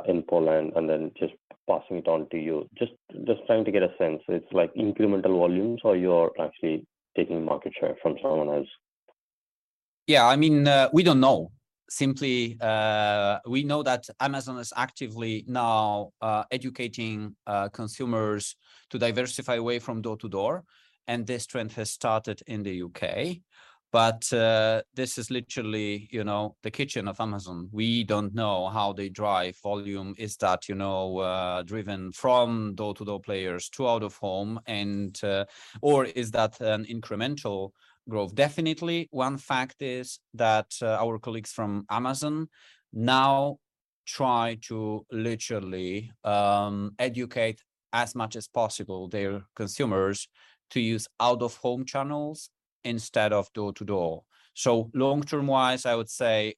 in Poland and then just passing it on to you? Just trying to get a sense, it's like incremental volumes or you're actually taking market share from someone else? Yeah, I mean, we don't know. Simply, we know that Amazon is actively now educating consumers to diversify away from door-to-door, and this trend has started in the U.K. This is literally, you know, the kitchen of Amazon. We don't know how they drive volume. Is that, you know, driven from door-to-door players to out-of-home and or is that an incremental growth? Definitely one fact is that, our colleagues from Amazon now try to literally educate as much as possible their consumers to use out-of-home channels instead of door-to-door. Long-term wise, I would say,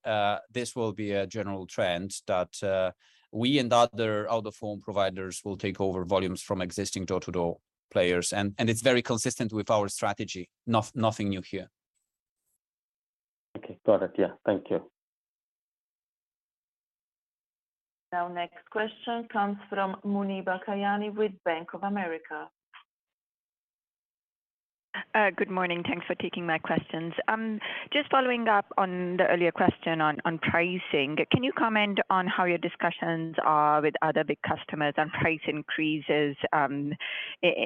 this will be a general trend that, we and other out-of-home providers will take over volumes from existing door-to-door players. It's very consistent with our strategy. Nothing new here. Okay. Got it. Yeah. Thank you. Now next question comes from Muneeba Kayani with Bank of America. Good morning. Thanks for taking my questions. Just following up on the earlier question on pricing, can you comment on how your discussions are with other big customers on price increases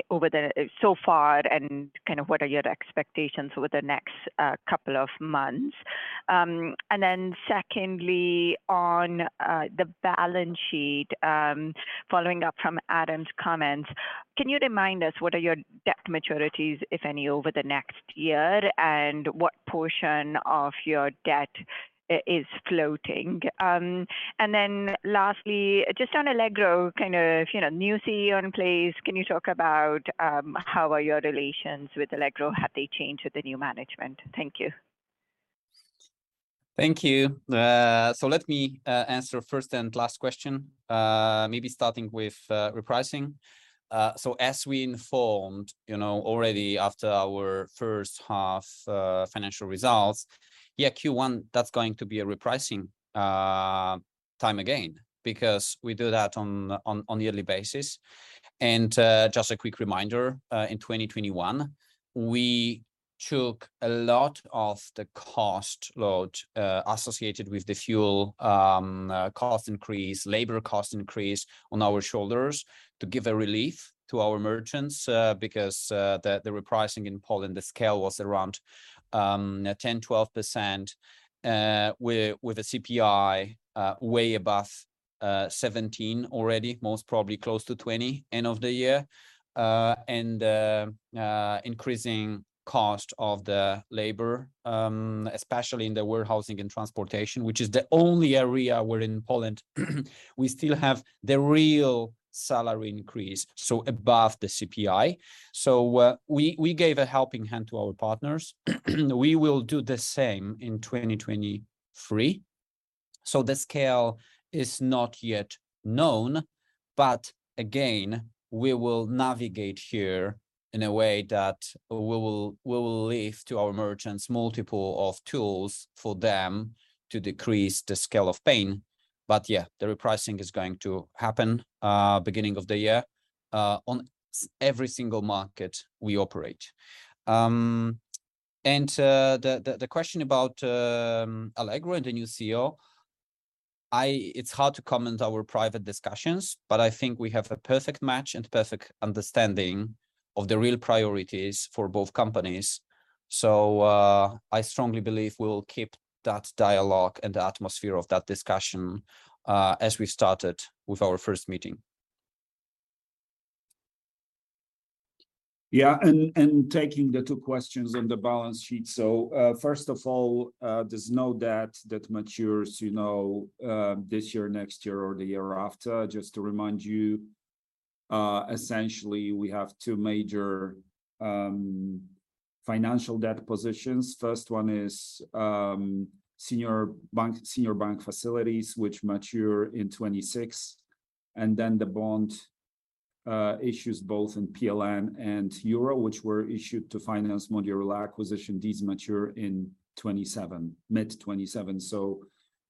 over the year so far and kind of what are your expectations over the next couple of months? Secondly, on the balance sheet, following up from Adam's comments, can you remind us what are your debt maturities, if any, over the next year, and what portion of your debt is floating? Lastly, just on Allegro, kind of, you know, new CEO in place, can you talk about how are your relations with Allegro? Have they changed with the new management? Thank you. Thank you. So let me answer first and last question, maybe starting with repricing. So as we informed, you know, already after our first half financial results. Yeah, Q1, that's going to be a repricing time again because we do that on a yearly basis. Just a quick reminder, in 2021, we took a lot of the cost load associated with the fuel cost increase, labor cost increase on our shoulders to give a relief to our merchants, because the repricing in Poland, the scale was around 10%-12%, with the CPI way above 17% already, most probably close to 20% end of the year. Increasing cost of the labor, especially in the warehousing and transportation, which is the only area where in Poland we still have the real salary increase, so above the CPI. We gave a helping hand to our partners. We will do the same in 2023. The scale is not yet known, but again, we will navigate here in a way that we will leave to our merchants multitude of tools for them to decrease the scale of pain. Yeah, the repricing is going to happen, beginning of the year, on every single market we operate. The question about Allegro and the new CEO, I—it's hard to comment our private discussions, but I think we have a perfect match and perfect understanding of the real priorities for both companies. I strongly believe we will keep that dialogue and the atmosphere of that discussion, as we started with our first meeting. Taking the two questions on the balance sheet. First of all, there's no debt that matures this year, next year or the year after. Just to remind you, essentially, we have two major financial debt positions. First one is senior bank facilities, which mature in 2026, and then the bond issues both in PLN and euro, which were issued to finance Mondial Relay acquisition. These mature in 2027, mid-2027.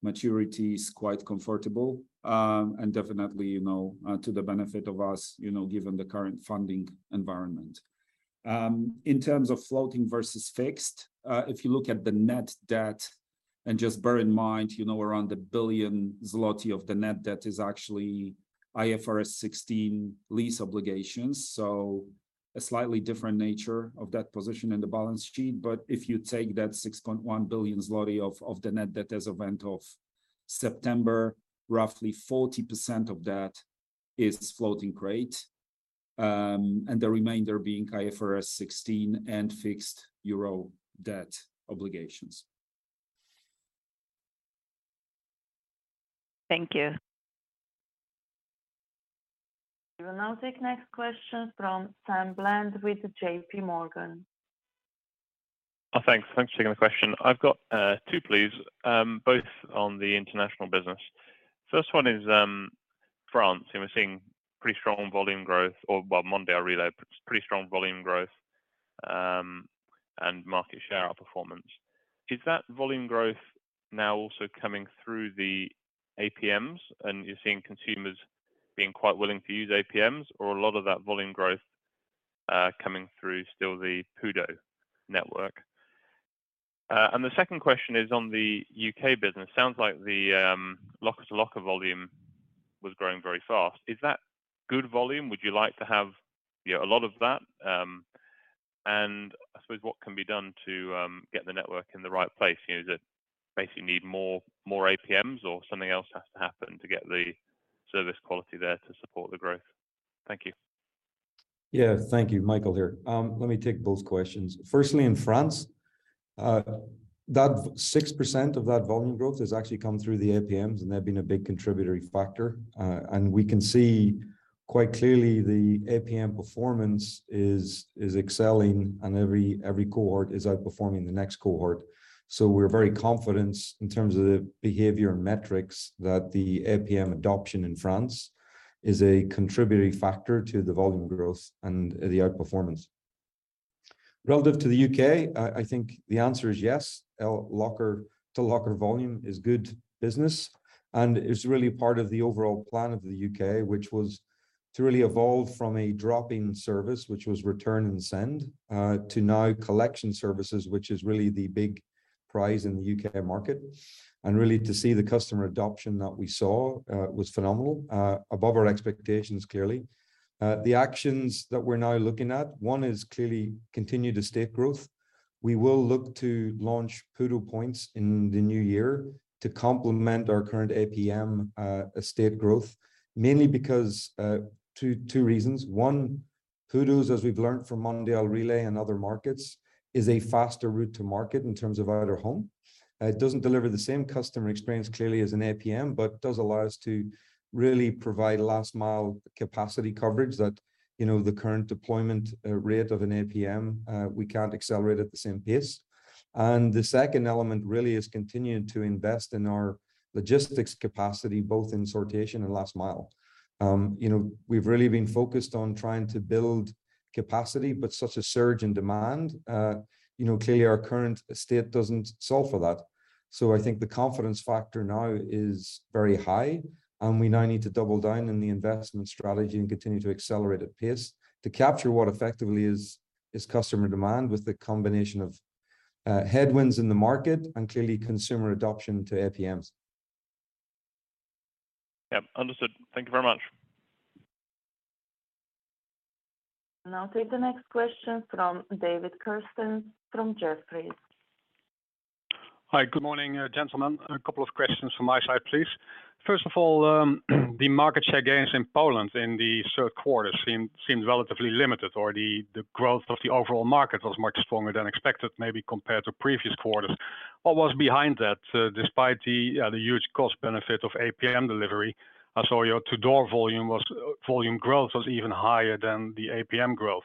Maturity is quite comfortable. And definitely to the benefit of us, given the current funding environment. In terms of floating versus fixed, if you look at the net debt, and just bear in mind, you know, around 1 billion zloty of the net debt is actually IFRS 16 lease obligations, so a slightly different nature of that position in the balance sheet. If you take that 6.1 billion zloty of the net debt as at end of September, roughly 40% of that is floating rate, and the remainder being IFRS 16 and fixed euro debt obligations. Thank you. We will now take next question from Sam Bland with J.P. Morgan. Oh, thanks. Thanks for taking the question. I've got two, please, both on the international business. First one is France, and we're seeing pretty strong volume growth or, well, Mondial Relay, pretty strong volume growth and market share outperformance. Is that volume growth now also coming through the APMs, and you're seeing consumers being quite willing to use APMs or a lot of that volume growth coming through still the PUDO network? The second question is on the U.K. business. Sounds like the locker-to-locker volume was growing very fast. Is that good volume? Would you like to have, you know, a lot of that? I suppose what can be done to get the network in the right place? You know, does it basically need more APMs or something else has to happen to get the service quality there to support the growth? Thank you. Yeah, thank you. Michael here. Let me take both questions. Firstly, in France, that 6% of that volume growth has actually come through the APMs, and they've been a big contributory factor. We can see quite clearly the APM performance is excelling and every cohort is outperforming the next cohort. We're very confident in terms of the behavior and metrics that the APM adoption in France is a contributing factor to the volume growth and the outperformance. Relative to the U.K., I think the answer is yes. Locker-to-locker volume is good business, and it's really part of the overall plan of the U.K., which was to really evolve from a drop-in service, which was return and send, to now collection services, which is really the big prize in the U.K. market. Really to see the customer adoption that we saw was phenomenal, above our expectations, clearly. The actions that we're now looking at, one is clearly continue the estate growth. We will look to launch PUDO points in the new year to complement our current APM estate growth, mainly because two reasons. One, PUDOs, as we've learned from Mondial Relay and other markets, is a faster route to market in terms of out of home. It doesn't deliver the same customer experience clearly as an APM, but does allow us to really provide last mile capacity coverage that, you know, the current deployment rate of an APM we can't accelerate at the same pace. The second element really is continuing to invest in our logistics capacity, both in sortation and last mile. You know, we've really been focused on trying to build capacity, but such a surge in demand, you know, clearly our current estate doesn't solve for that. I think the confidence factor now is very high, and we now need to double down in the investment strategy and continue to accelerate at pace to capture what effectively is customer demand with the combination of headwinds in the market and clearly consumer adoption to APMs. Yeah. Understood. Thank you very much. I'll take the next question from David Kerstens from Jefferies. Hi. Good morning, gentlemen. A couple of questions from my side, please. First of all, the market share gains in Poland in the third quarter seemed relatively limited or the growth of the overall market was much stronger than expected, maybe compared to previous quarters. What was behind that, despite the huge cost benefit of APM delivery? I saw your to-door volume growth was even higher than the APM growth.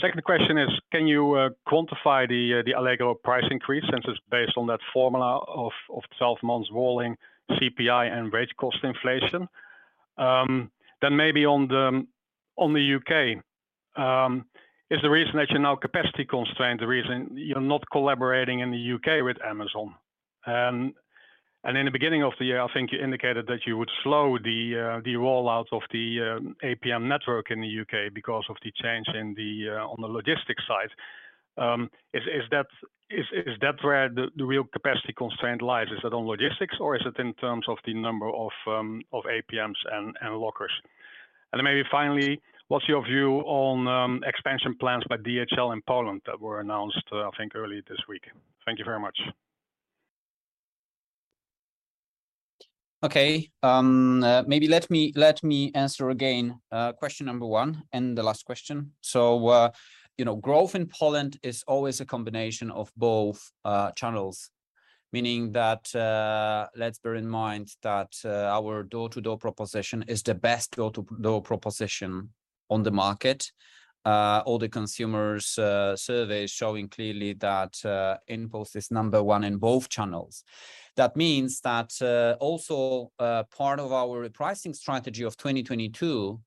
Second question is, can you quantify the Allegro price increase since it's based on that formula of 12 months rolling CPI and wage cost inflation? Maybe on the U.K., is the reason that you're now capacity constrained the reason you're not collaborating in the U.K. with Amazon? In the beginning of the year, I think you indicated that you would slow the rollout of the APM network in the U.K. because of the change on the logistics side. Is that where the real capacity constraint lies? Is it on logistics or is it in terms of the number of APMs and lockers? Then maybe finally, what's your view on expansion plans by DHL in Poland that were announced, I think early this week? Thank you very much. Okay. Maybe let me answer again, question number one and the last question. You know, growth in Poland is always a combination of both channels. Meaning that, let's bear in mind that, our door-to-door proposition is the best door-to-door proposition on the market. All the consumer surveys showing clearly that, InPost is number one in both channels. That means that, also, part of our repricing strategy of 2022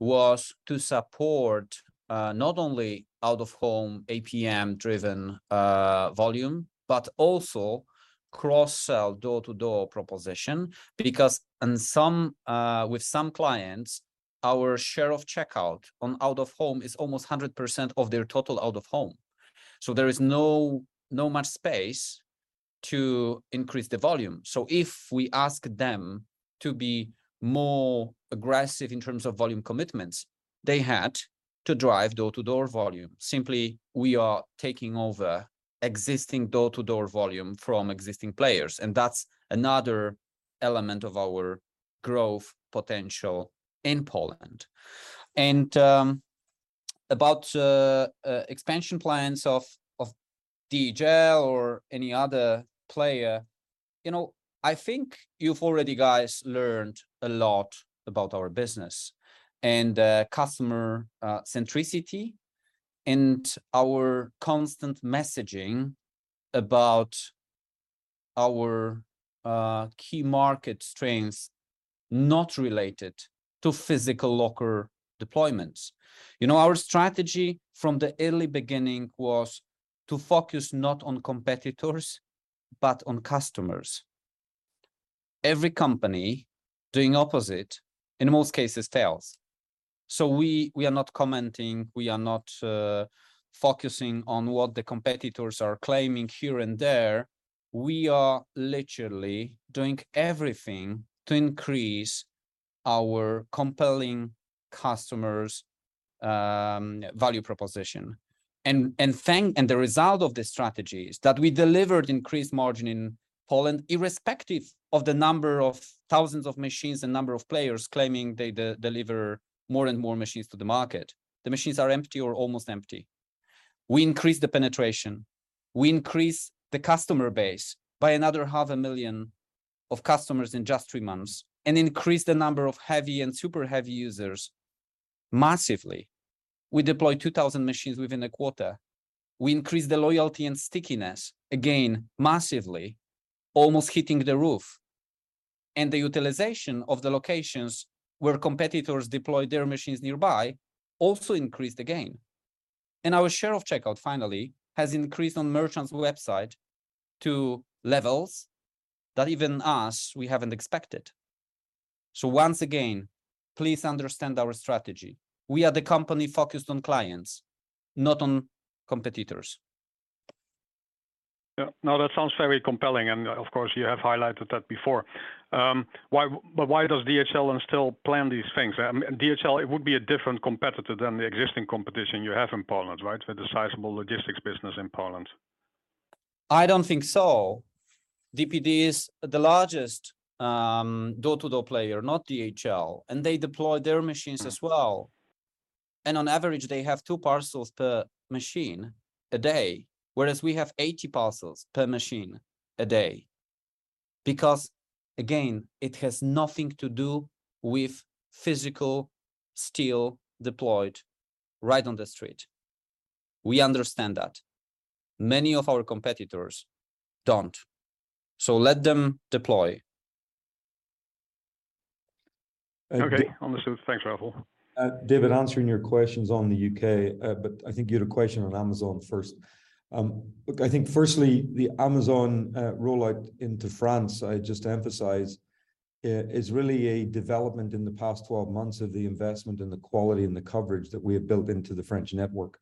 was to support, not only out-of-home APM driven, volume, but also cross-sell door-to-door proposition. Because with some clients, our share of checkout on out-of-home is almost 100% of their total out-of-home. There is not much space to increase the volume. If we ask them to be more aggressive in terms of volume commitments, they had to drive door-to-door volume. Simply, we are taking over existing door-to-door volume from existing players, and that's another element of our growth potential in Poland. About expansion plans of DHL or any other player, you know, I think you guys have already learned a lot about our business and customer centricity and our constant messaging about our key market strengths not related to physical locker deployments. You know, our strategy from the early beginning was to focus not on competitors, but on customers. Every company doing opposite, in most cases, fails. We are not commenting, we are not focusing on what the competitors are claiming here and there. We are literally doing everything to increase our compelling customers' value proposition. The result of this strategy is that we delivered increased margin in Poland, irrespective of the number of thousands of machines and number of players claiming they deliver more and more machines to the market. The machines are empty or almost empty. We increased the penetration. We increased the customer base by another 500,000 customers in just three months and increased the number of heavy and super heavy users massively. We deployed 2,000 machines within a quarter. We increased the loyalty and stickiness again massively, almost hitting the roof. The utilization of the locations where competitors deployed their machines nearby also increased again. Our share of checkout finally has increased on merchants' website to levels that even us, we haven't expected. Once again, please understand our strategy. We are the company focused on clients, not on competitors. Yeah. No, that sounds very compelling. Of course, you have highlighted that before. Why does DHL then still plan these things? DHL, it would be a different competitor than the existing competition you have in Poland, right? With a sizable logistics business in Poland. I don't think so. DPD is the largest door-to-door player, not DHL, and they deploy their machines as well. On average, they have two parcels per machine a day, whereas we have 80 parcels per machine a day. Because again, it has nothing to do with physical steel deployed right on the street. We understand that. Many of our competitors don't. Let them deploy. Okay. Understood. Thanks, Rafał. David, answering your questions on the U.K., I think you had a question on Amazon first. Look, I think firstly, the Amazon rollout into France, I just emphasize, is really a development in the past 12 months of the investment and the quality and the coverage that we have built into the French network.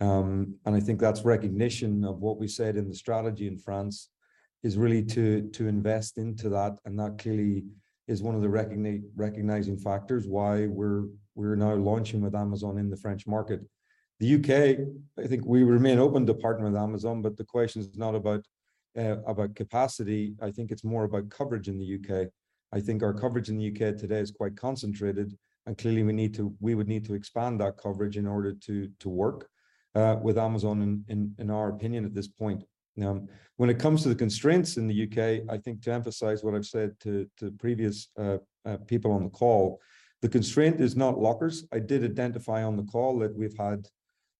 I think that's recognition of what we said in the strategy in France. is really to invest into that, and that clearly is one of the recognizing factors why we're now launching with Amazon in the French market. The U.K., I think we remain open to partner with Amazon, but the question is not about capacity. I think it's more about coverage in the U.K.. I think our coverage in the U.K. today is quite concentrated and clearly we would need to expand that coverage in order to work with Amazon in our opinion at this point. Now, when it comes to the constraints in the U.K., I think to emphasize what I've said to previous people on the call, the constraint is not lockers. I did identify on the call that we've had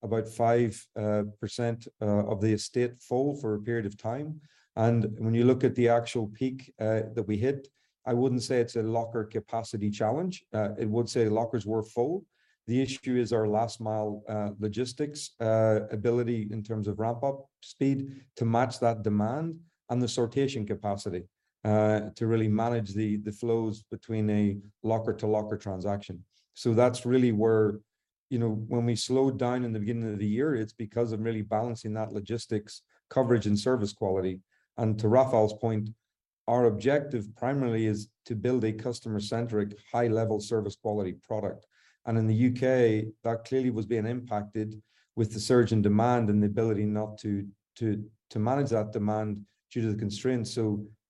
about 5% of the estate full for a period of time. When you look at the actual peak that we hit, I wouldn't say it's a locker capacity challenge. I would say lockers were full. The issue is our last mile logistics ability in terms of ramp-up speed to match that demand and the sortation capacity to really manage the flows between a locker-to-locker transaction. That's really where, you know, when we slowed down in the beginning of the year, it's because of really balancing that logistics coverage and service quality. To Rafał's point, our objective primarily is to build a customer-centric, high-level service quality product. In the U.K., that clearly was being impacted with the surge in demand and the ability not to manage that demand due to the constraints.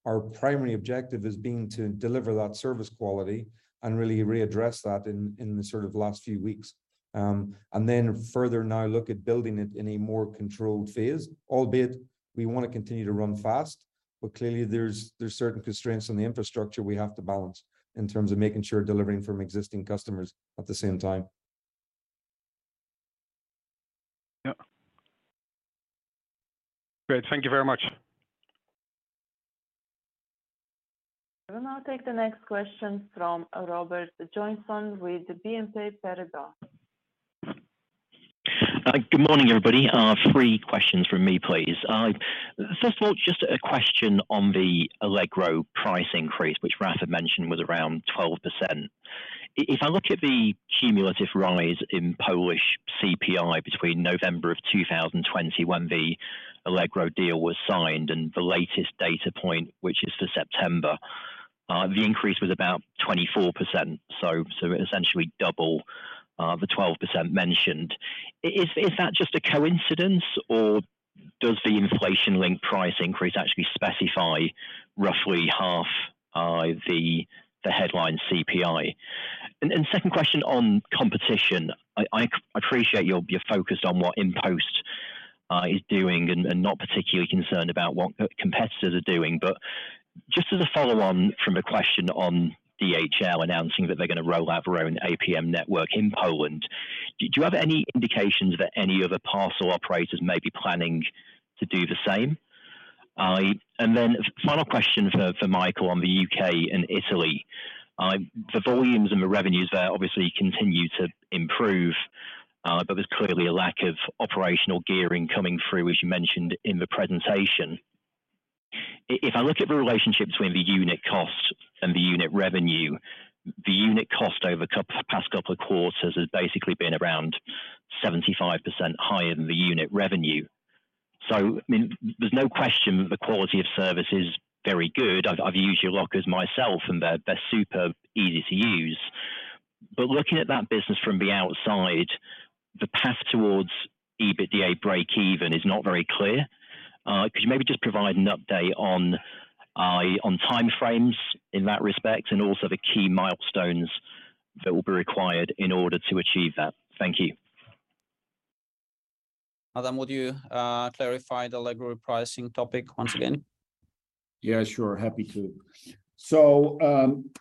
Our primary objective has been to deliver that service quality and really readdress that in the sort of last few weeks. Then further now look at building it in a more controlled phase, albeit we want to continue to run fast. Clearly there's certain constraints on the infrastructure we have to balance in terms of making sure delivering from existing customers at the same time. Yeah. Great. Thank you very much. We'll now take the next question from Robert Johnson with BNP Paribas. Good morning, everybody. Three questions from me, please. First of all, just a question on the Allegro price increase, which Rafał mentioned was around 12%. If I look at the cumulative rise in Polish CPI between November of 2020 when the Allegro deal was signed and the latest data point, which is for September, the increase was about 24%, so essentially double the 12% mentioned. Is that just a coincidence or does the inflation-linked price increase actually specify roughly half the headline CPI? Second question on competition. I appreciate your focus on what InPost is doing and not particularly concerned about what competitors are doing. Just as a follow on from the question on DHL announcing that they're gonna roll out their own APM network in Poland, do you have any indications that any other parcel operators may be planning to do the same? And then final question for Michael on the U.K. and Italy. The volumes and the revenues there obviously continue to improve, but there's clearly a lack of operational gearing coming through, as you mentioned in the presentation. If I look at the relationship between the unit cost and the unit revenue, the unit cost over the past couple of quarters has basically been around 75% higher than the unit revenue. I mean, there's no question the quality of service is very good. I've used your lockers myself and they're super easy to use. Looking at that business from the outside, the path towards EBITDA breakeven is not very clear. Could you maybe just provide an update on time frames in that respect and also the key milestones that will be required in order to achieve that? Thank you. Adam, would you clarify the Allegro pricing topic once again? Yeah, sure, happy to.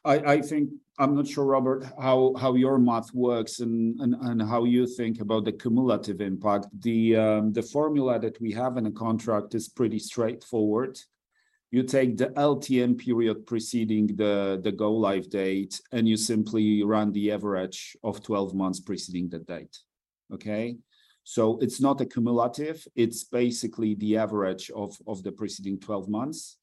I think I'm not sure, Robert, how your math works and how you think about the cumulative impact. The formula that we have in the contract is pretty straightforward. You take the LTM period preceding the go-live date, and you simply run the average of 12 months preceding the date. Okay? It's not a cumulative, it's basically the average of the preceding 12 months.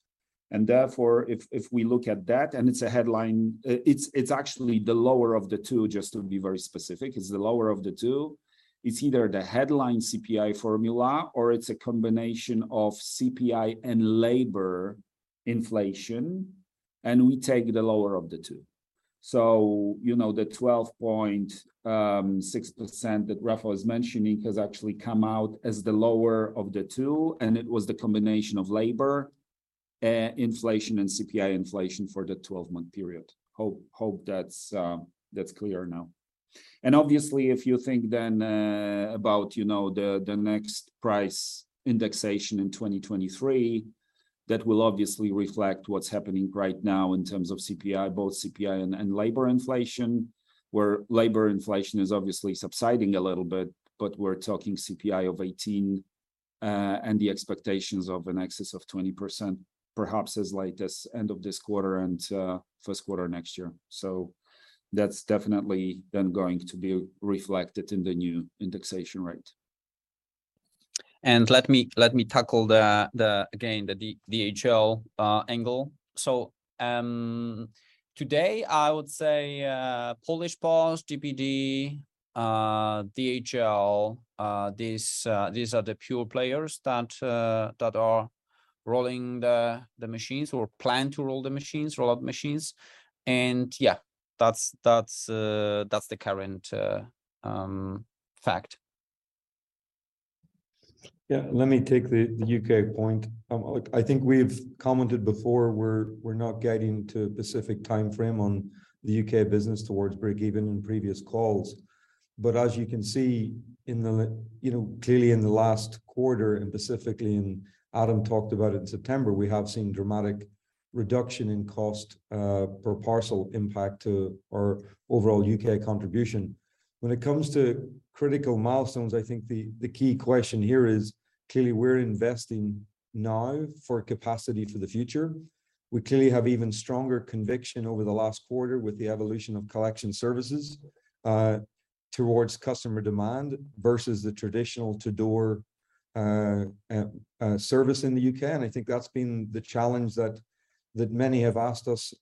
Therefore, if we look at that and it's a headline. It's actually the lower of the two, just to be very specific. It's the lower of the two. It's either the headline CPI formula or it's a combination of CPI and labor inflation, and we take the lower of the two. You know, the 12.6% that Rafał is mentioning has actually come out as the lower of the two, and it was the combination of labor inflation and CPI inflation for the twelve-month period. Hope that's clear now. Obviously if you think then about, you know, the next price indexation in 2023, that will obviously reflect what's happening right now in terms of CPI, both CPI and labor inflation, where labor inflation is obviously subsiding a little bit. We're talking CPI of 18%, and the expectations of in excess of 20% perhaps as late as end of this quarter and first quarter next year. That's definitely then going to be reflected in the new indexation rate. Let me tackle the DHL angle again. Today I would say Poczta Polska, DPD. DHL, these are the pure players that are rolling the machines or plan to roll out machines. Yeah, that's the current fact. Yeah. Let me take the U.K. point. I think we've commented before, we're not guiding to a specific timeframe on the U.K. business towards breakeven in previous calls. As you can see, you know, clearly in the last quarter and specifically, and Adam talked about it in September, we have seen dramatic reduction in cost per parcel impact to our overall U.K. contribution. When it comes to critical milestones, I think the key question here is clearly we're investing now for capacity for the future. We clearly have even stronger conviction over the last quarter with the evolution of collection services towards customer demand versus the traditional to-door service in the U.K. I think that's been the challenge that many have asked us,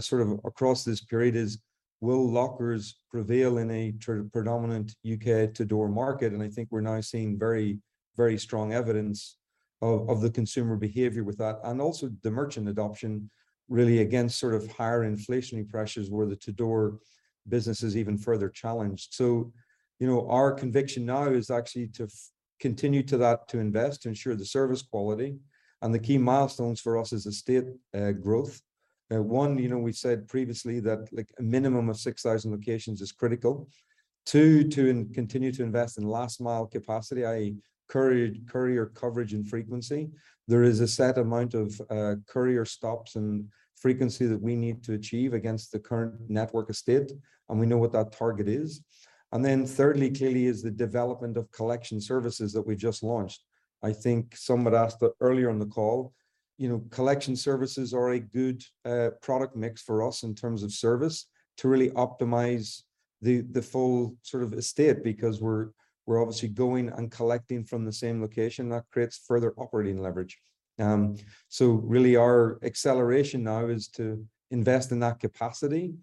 sort of across this period is will lockers prevail in a predominant U.K. to-door market? I think we're now seeing very, very strong evidence of the consumer behavior with that. Also the merchant adoption really against sort of higher inflationary pressures where the to-door business is even further challenged. You know, our conviction now is actually to continue to that, to invest, ensure the service quality. The key milestones for us is estate growth. One, you know, we said previously that like a minimum of 6,000 locations is critical. Two, to continue to invest in last mile capacity, i.e. courier coverage and frequency. There is a set amount of courier stops and frequency that we need to achieve against the current network estate, and we know what that target is. Thirdly, clearly is the development of collection services that we just launched. I think someone asked earlier on the call, collection services are a good product mix for us in terms of service to really optimize the full sort of estate because we're obviously going and collecting from the same location that creates further operating leverage. Really our acceleration now is to invest in that capacity,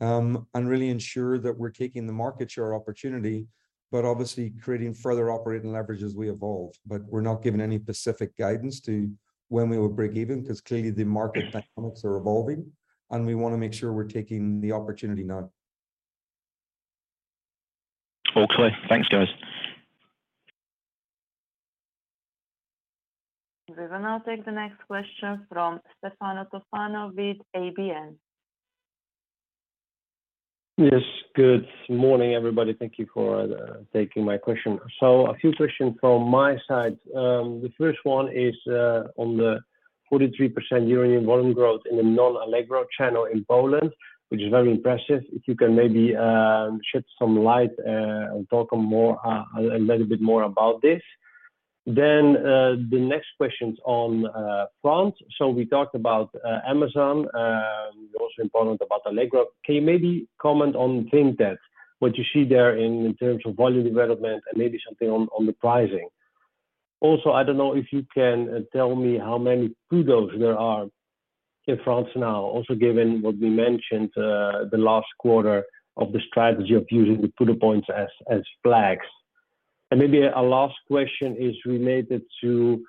and really ensure that we're taking the market share opportunity, but obviously creating further operating leverage as we evolve. We're not giving any specific guidance to when we will breakeven because clearly the market dynamics are evolving and we want to make sure we're taking the opportunity now. All clear. Thanks, guys. We will now take the next question from Stefano Toffano with ABN AMRO. Yes. Good morning, everybody. Thank you for taking my question. A few questions from my side. The first one is on the 43% year-on-year volume growth in the non-Allegro channel in Poland, which is very impressive. If you can maybe shed some light and talk more a little bit more about this. The next question is on France. We talked about Amazon, also important about Allegro. Can you maybe comment on Vinted, what you see there in terms of volume development and maybe something on the pricing. Also, I don't know if you can tell me how many PUDOs there are in France now, also given what we mentioned the last quarter of the strategy of using the PUDO points as flags. Maybe a last question is related to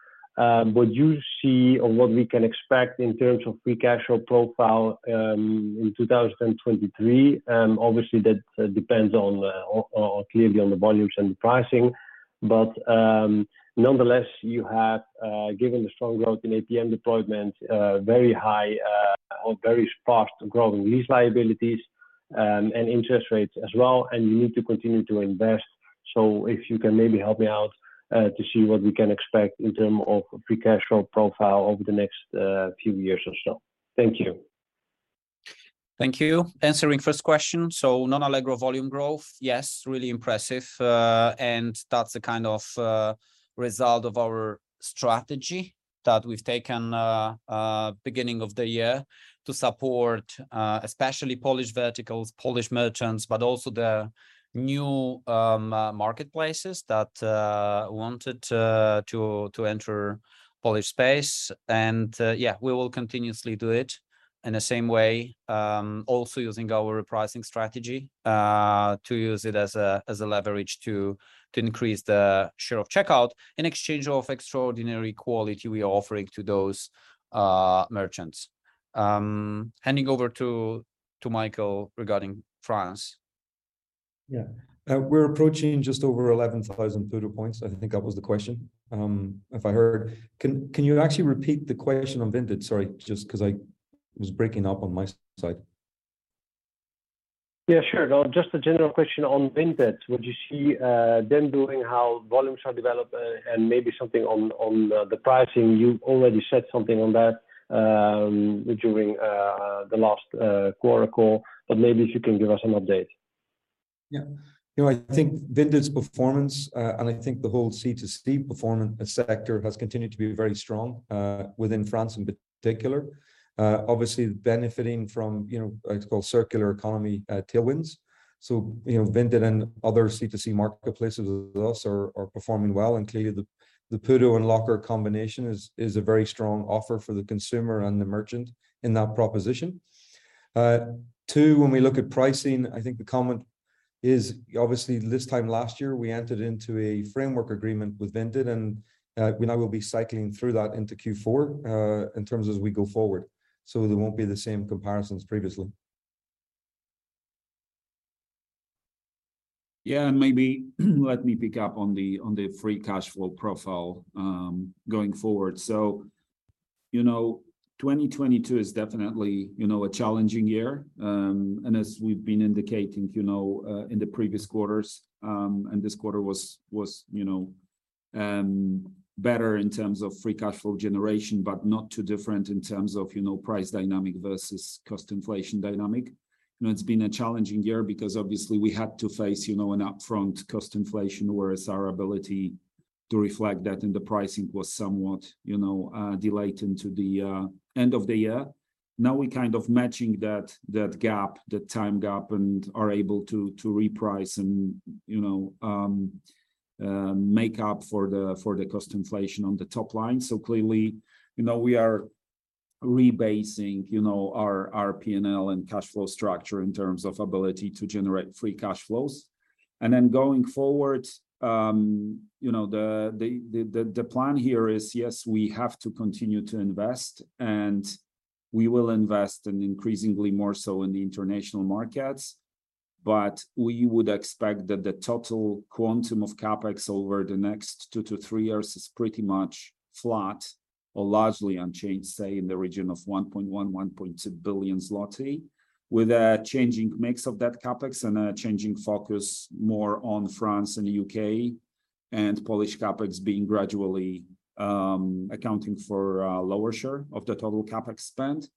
what you see or what we can expect in terms of free cash flow profile in 2023. Obviously, that depends on or clearly on the volumes and the pricing. But nonetheless, you have given the strong growth in APM deployment very high or very fast growing lease liabilities and interest rates as well, and you need to continue to invest. So if you can maybe help me out to see what we can expect in terms of free cash flow profile over the next few years or so. Thank you. Thank you. Answering first question. Non-Allegro volume growth, yes, really impressive. That's the kind of result of our strategy that we've taken beginning of the year to support especially Polish verticals, Polish merchants, but also the new marketplaces that wanted to enter Polish space. We will continuously do it in the same way, also using our repricing strategy to use it as a leverage to increase the share of checkout in exchange of extraordinary quality we are offering to those merchants. Handing over to Michael regarding France. Yeah, we're approaching just over 11,000 PUDO points. I think that was the question, if I heard. Can you actually repeat the question on Vinted? Sorry, just 'cause it was breaking up on my side. Yeah, sure. No, just a general question on Vinted. What do you see them doing, how volumes are developed, and maybe something on the pricing. You already said something on that during the last quarter call, but maybe if you can give us an update. Yeah. You know, I think Vinted's performance, and I think the whole C2C performance sector has continued to be very strong, within France in particular. Obviously benefiting from, you know, the so-called circular economy tailwinds. You know, Vinted and other C2C marketplaces with us are performing well, and clearly the PUDO and locker combination is a very strong offer for the consumer and the merchant in that proposition. Too, when we look at pricing, I think the comment is obviously this time last year, we entered into a framework agreement with Vinted, and we now will be cycling through that into Q4, in terms of as we go forward. There won't be the same comparisons previously. Yeah. Maybe let me pick up on the free cash flow profile going forward. You know, 2022 is definitely a challenging year. As we've been indicating, you know, in the previous quarters, this quarter was you know better in terms of free cash flow generation, but not too different in terms of you know price dynamic versus cost inflation dynamic. You know, it's been a challenging year because obviously we had to face you know an upfront cost inflation, whereas our ability to reflect that in the pricing was somewhat you know delayed into the end of the year. Now we're kind of matching that gap, the time gap and are able to reprice and you know make up for the cost inflation on the top line. Clearly, you know, we are rebasing, you know, our P&L and cash flow structure in terms of ability to generate free cash flows. Then going forward, you know, the plan here is, yes, we have to continue to invest, and we will invest and increasingly more so in the international markets. We would expect that the total quantum of CapEx over the next 2 years-3 years is pretty much flat or largely unchanged, say in the region of 1.1 billion-1.2 billion zloty, with a changing mix of that CapEx and a changing focus more on France and the U.K. and Polish CapEx being gradually accounting for a lower share of the total CapEx spend.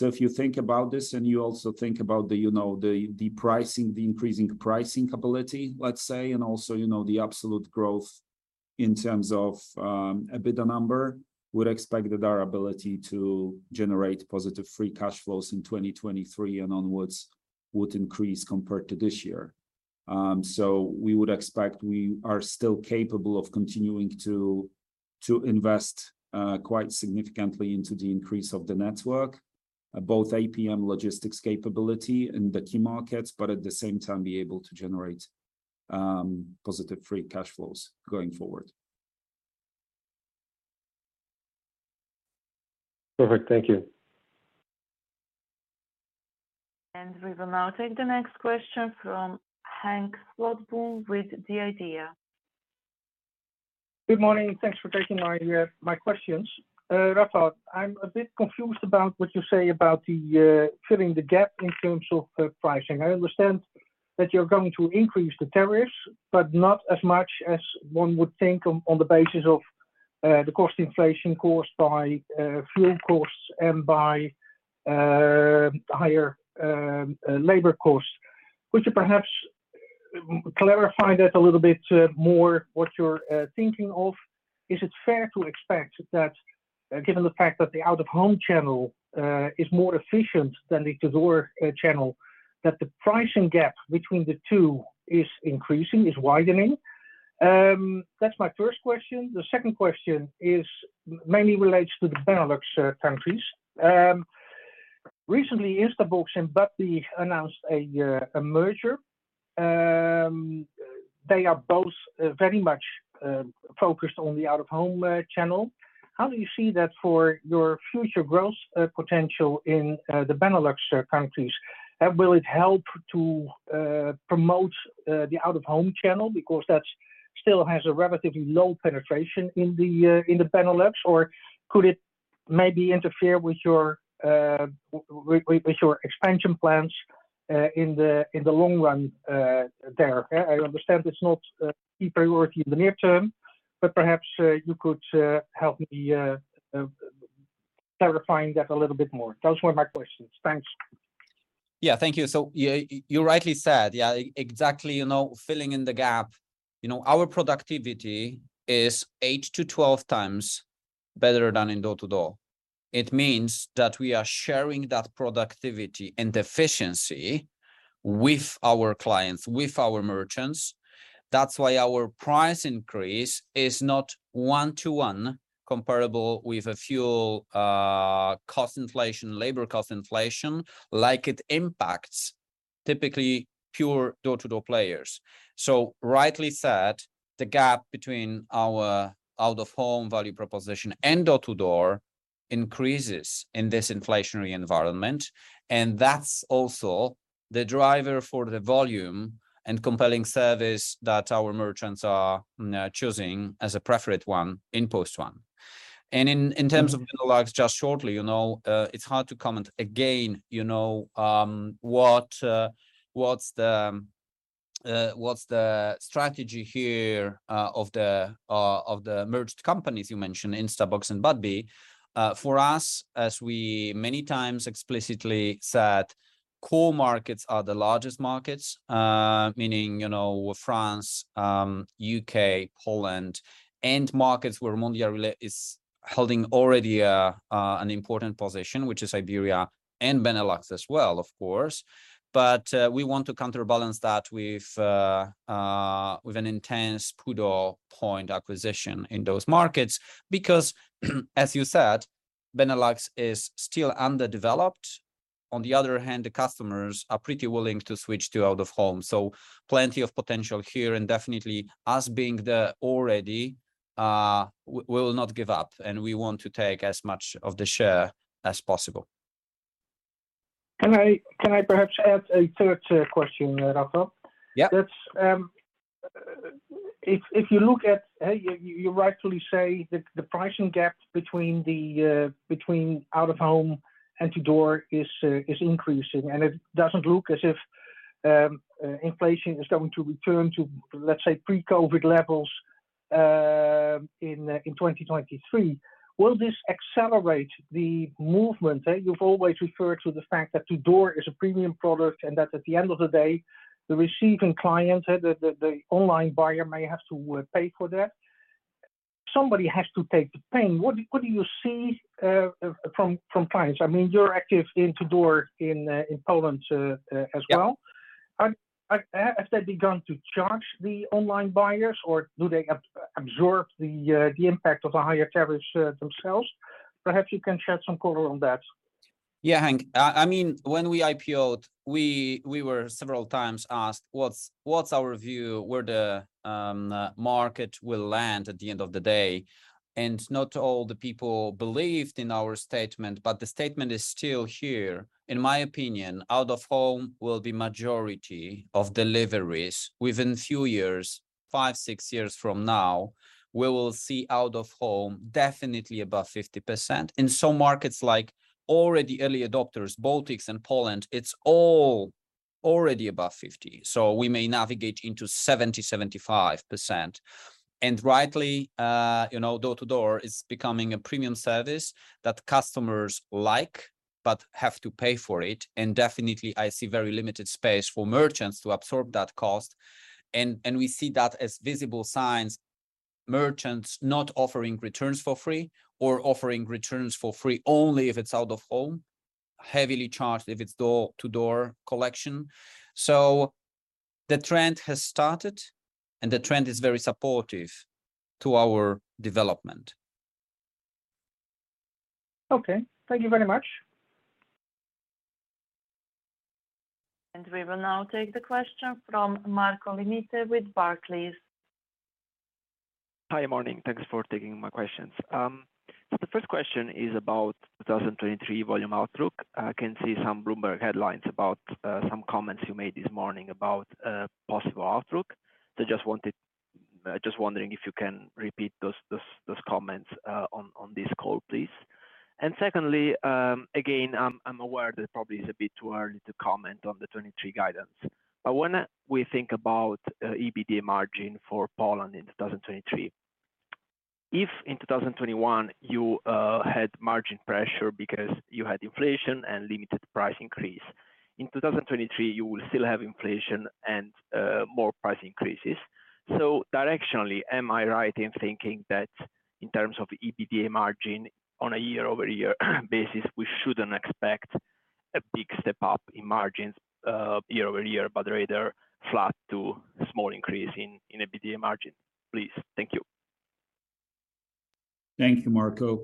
If you think about this and you also think about the, you know, the pricing, the increasing pricing capability, let's say, and also, you know, the absolute growth in terms of EBITDA number, would expect that our ability to generate positive free cash flows in 2023 and onwards would increase compared to this year. We would expect we are still capable of continuing to invest quite significantly into the increase of the network, both APM logistics capability in the key markets, but at the same time be able to generate positive free cash flows going forward. Perfect. Thank you. We will now take the next question from Henk Slotboom with the IDEA. Good morning. Thanks for taking my questions. Rafał, I'm a bit confused about what you say about the filling the gap in terms of pricing. I understand that you're going to increase the tariffs, but not as much as one would think on the basis of the cost inflation caused by fuel costs and by higher labor costs. Would you perhaps clarify that a little bit more what you're thinking of? Is it fair to expect that, given the fact that the out-of-home channel is more efficient than the to-door channel, that the pricing gap between the two is increasing, is widening? That's my first question. The second question is mainly relates to the Benelux countries. Recently, Instabox and Budbee announced a merger. They are both very much focused on the out-of-home channel. How do you see that for your future growth potential in the Benelux countries? Will it help to promote the out-of-home channel because that's still has a relatively low penetration in the Benelux, or could it maybe interfere with your expansion plans in the long run there? I understand it's not a key priority in the near term, but perhaps you could help me clarifying that a little bit more. Those were my questions. Thanks. Yeah. Thank you. Yeah, you rightly said, yeah, exactly, you know, filling in the gap. You know, our productivity is 8x-12x better than door-to-door. It means that we are sharing that productivity and efficiency with our clients, with our merchants. That's why our price increase is not one-to-one comparable with a fuel cost inflation, labor cost inflation like it impacts typically pure door-to-door players. Rightly said, the gap between our out-of-home value proposition and door-to-door increases in this inflationary environment, and that's also the driver for the volume and compelling service that our merchants are now choosing as a preferred one in InPost. In terms of Benelux, just shortly, you know, it's hard to comment again, you know, what's the strategy here of the merged companies you mentioned, Instabox and Budbee. For us, as we many times explicitly said, core markets are the largest markets, meaning, you know, France, U.K., Poland, and markets where Mondial Relay is holding already an important position, which is Iberia and Benelux as well, of course. We want to counterbalance that with an intense PUDO point acquisition in those markets because, as you said Benelux is still underdeveloped. On the other hand, the customers are pretty willing to switch to out of home. Plenty of potential here, and definitely us being there already, we will not give up, and we want to take as much of the share as possible. Can I perhaps add a third question, Rafał? Yeah. If you look at, hey, you rightly say the pricing gap between out-of-home and to-door is increasing, and it doesn't look as if inflation is going to return to, let's say, pre-COVID levels in 2023. Will this accelerate the movement? You've always referred to the fact that to-door is a premium product, and that at the end of the day, the receiving client, the online buyer may have to pay for that. Somebody has to take the pain. What do you see from clients? I mean, you're active in to-door in Poland as well. Yeah. Have they begun to charge the online buyers, or do they absorb the impact of a higher carriage, themselves? Perhaps you can shed some color on that. Yeah, Henk. I mean, when we IPO'd, we were several times asked what's our view, where the market will land at the end of the day, and not all the people believed in our statement, but the statement is still here. In my opinion, out of home will be majority of deliveries within few years. Five, 6 years from now, we will see out of home definitely above 50%. In some markets, like already early adopters, Baltics and Poland, it's all already above 50%. We may navigate into 70%-75%. Rightly, you know, door to door is becoming a premium service that customers like but have to pay for it, and definitely I see very limited space for merchants to absorb that cost. We see that as visible signs, merchants not offering returns for free or offering returns for free only if it's out of home. Heavily charged if it's door-to-door collection. The trend has started, and the trend is very supportive to our development. Okay. Thank you very much. We will now take the question from Marco Limite with Barclays. Hi. Morning. Thanks for taking my questions. The first question is about 2023 volume outlook. I can see some Bloomberg headlines about some comments you made this morning about a possible outlook. Just wondering if you can repeat those comments on this call, please. Secondly, again, I'm aware that it probably is a bit too early to comment on the 2023 guidance, but when we think about EBITDA margin for Poland in 2023, if in 2021 you had margin pressure because you had inflation and limited price increase, in 2023 you will still have inflation and more price increases. Directionally, am I right in thinking that in terms of EBITDA margin on a year-over-year basis, we shouldn't expect a big step up in margins, year-over-year but rather flat to small increase in EBITDA margin, please? Thank you. Thank you, Marco.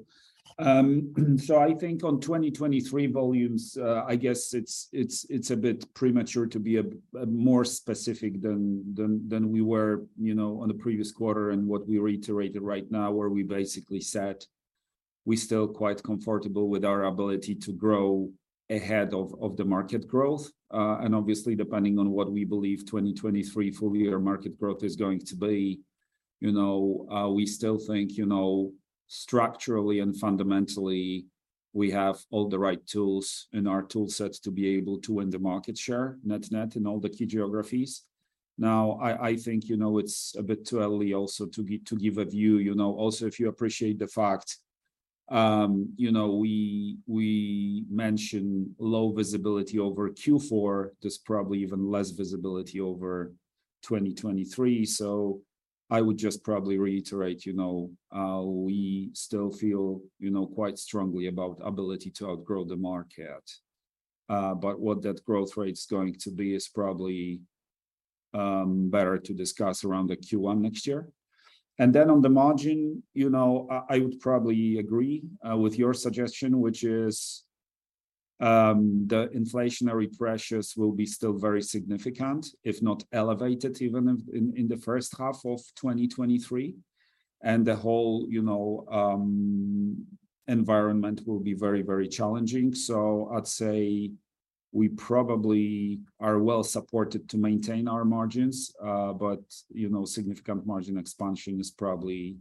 I think on 2023 volumes, I guess it's a bit premature to be more specific than we were, you know, on the previous quarter and what we reiterated right now, where we basically said we're still quite comfortable with our ability to grow ahead of the market growth. Obviously depending on what we believe 2023 full year market growth is going to be, you know, we still think, you know, structurally and fundamentally, we have all the right tools in our tool sets to be able to win the market share net-net in all the key geographies. Now, I think, you know, it's a bit too early also to give a view. You know, also if you appreciate the fact, you know, we mention low visibility over Q4, there's probably even less visibility over 2023. I would just probably reiterate, you know, we still feel, you know, quite strongly about ability to outgrow the market. But what that growth rate's going to be is probably better to discuss around the Q1 next year. On the margin, you know, I would probably agree with your suggestion, which is, the inflationary pressures will be still very significant, if not elevated even in the first half of 2023, and the whole, you know, environment will be very, very challenging. I'd say we probably are well supported to maintain our margins. But you know, significant margin expansion is probably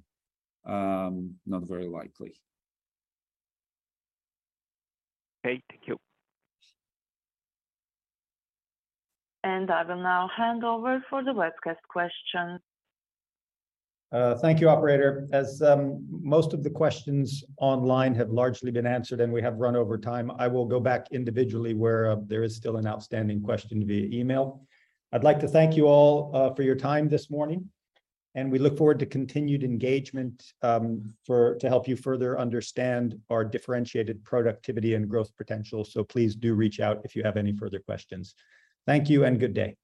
not very likely. Okay. Thank you. I will now hand over for the webcast question. Thank you, operator. As most of the questions online have largely been answered and we have run over time, I will go back individually where there is still an outstanding question via email. I'd like to thank you all for your time this morning, and we look forward to continued engagement to help you further understand our differentiated productivity and growth potential. Please do reach out if you have any further questions. Thank you and good day.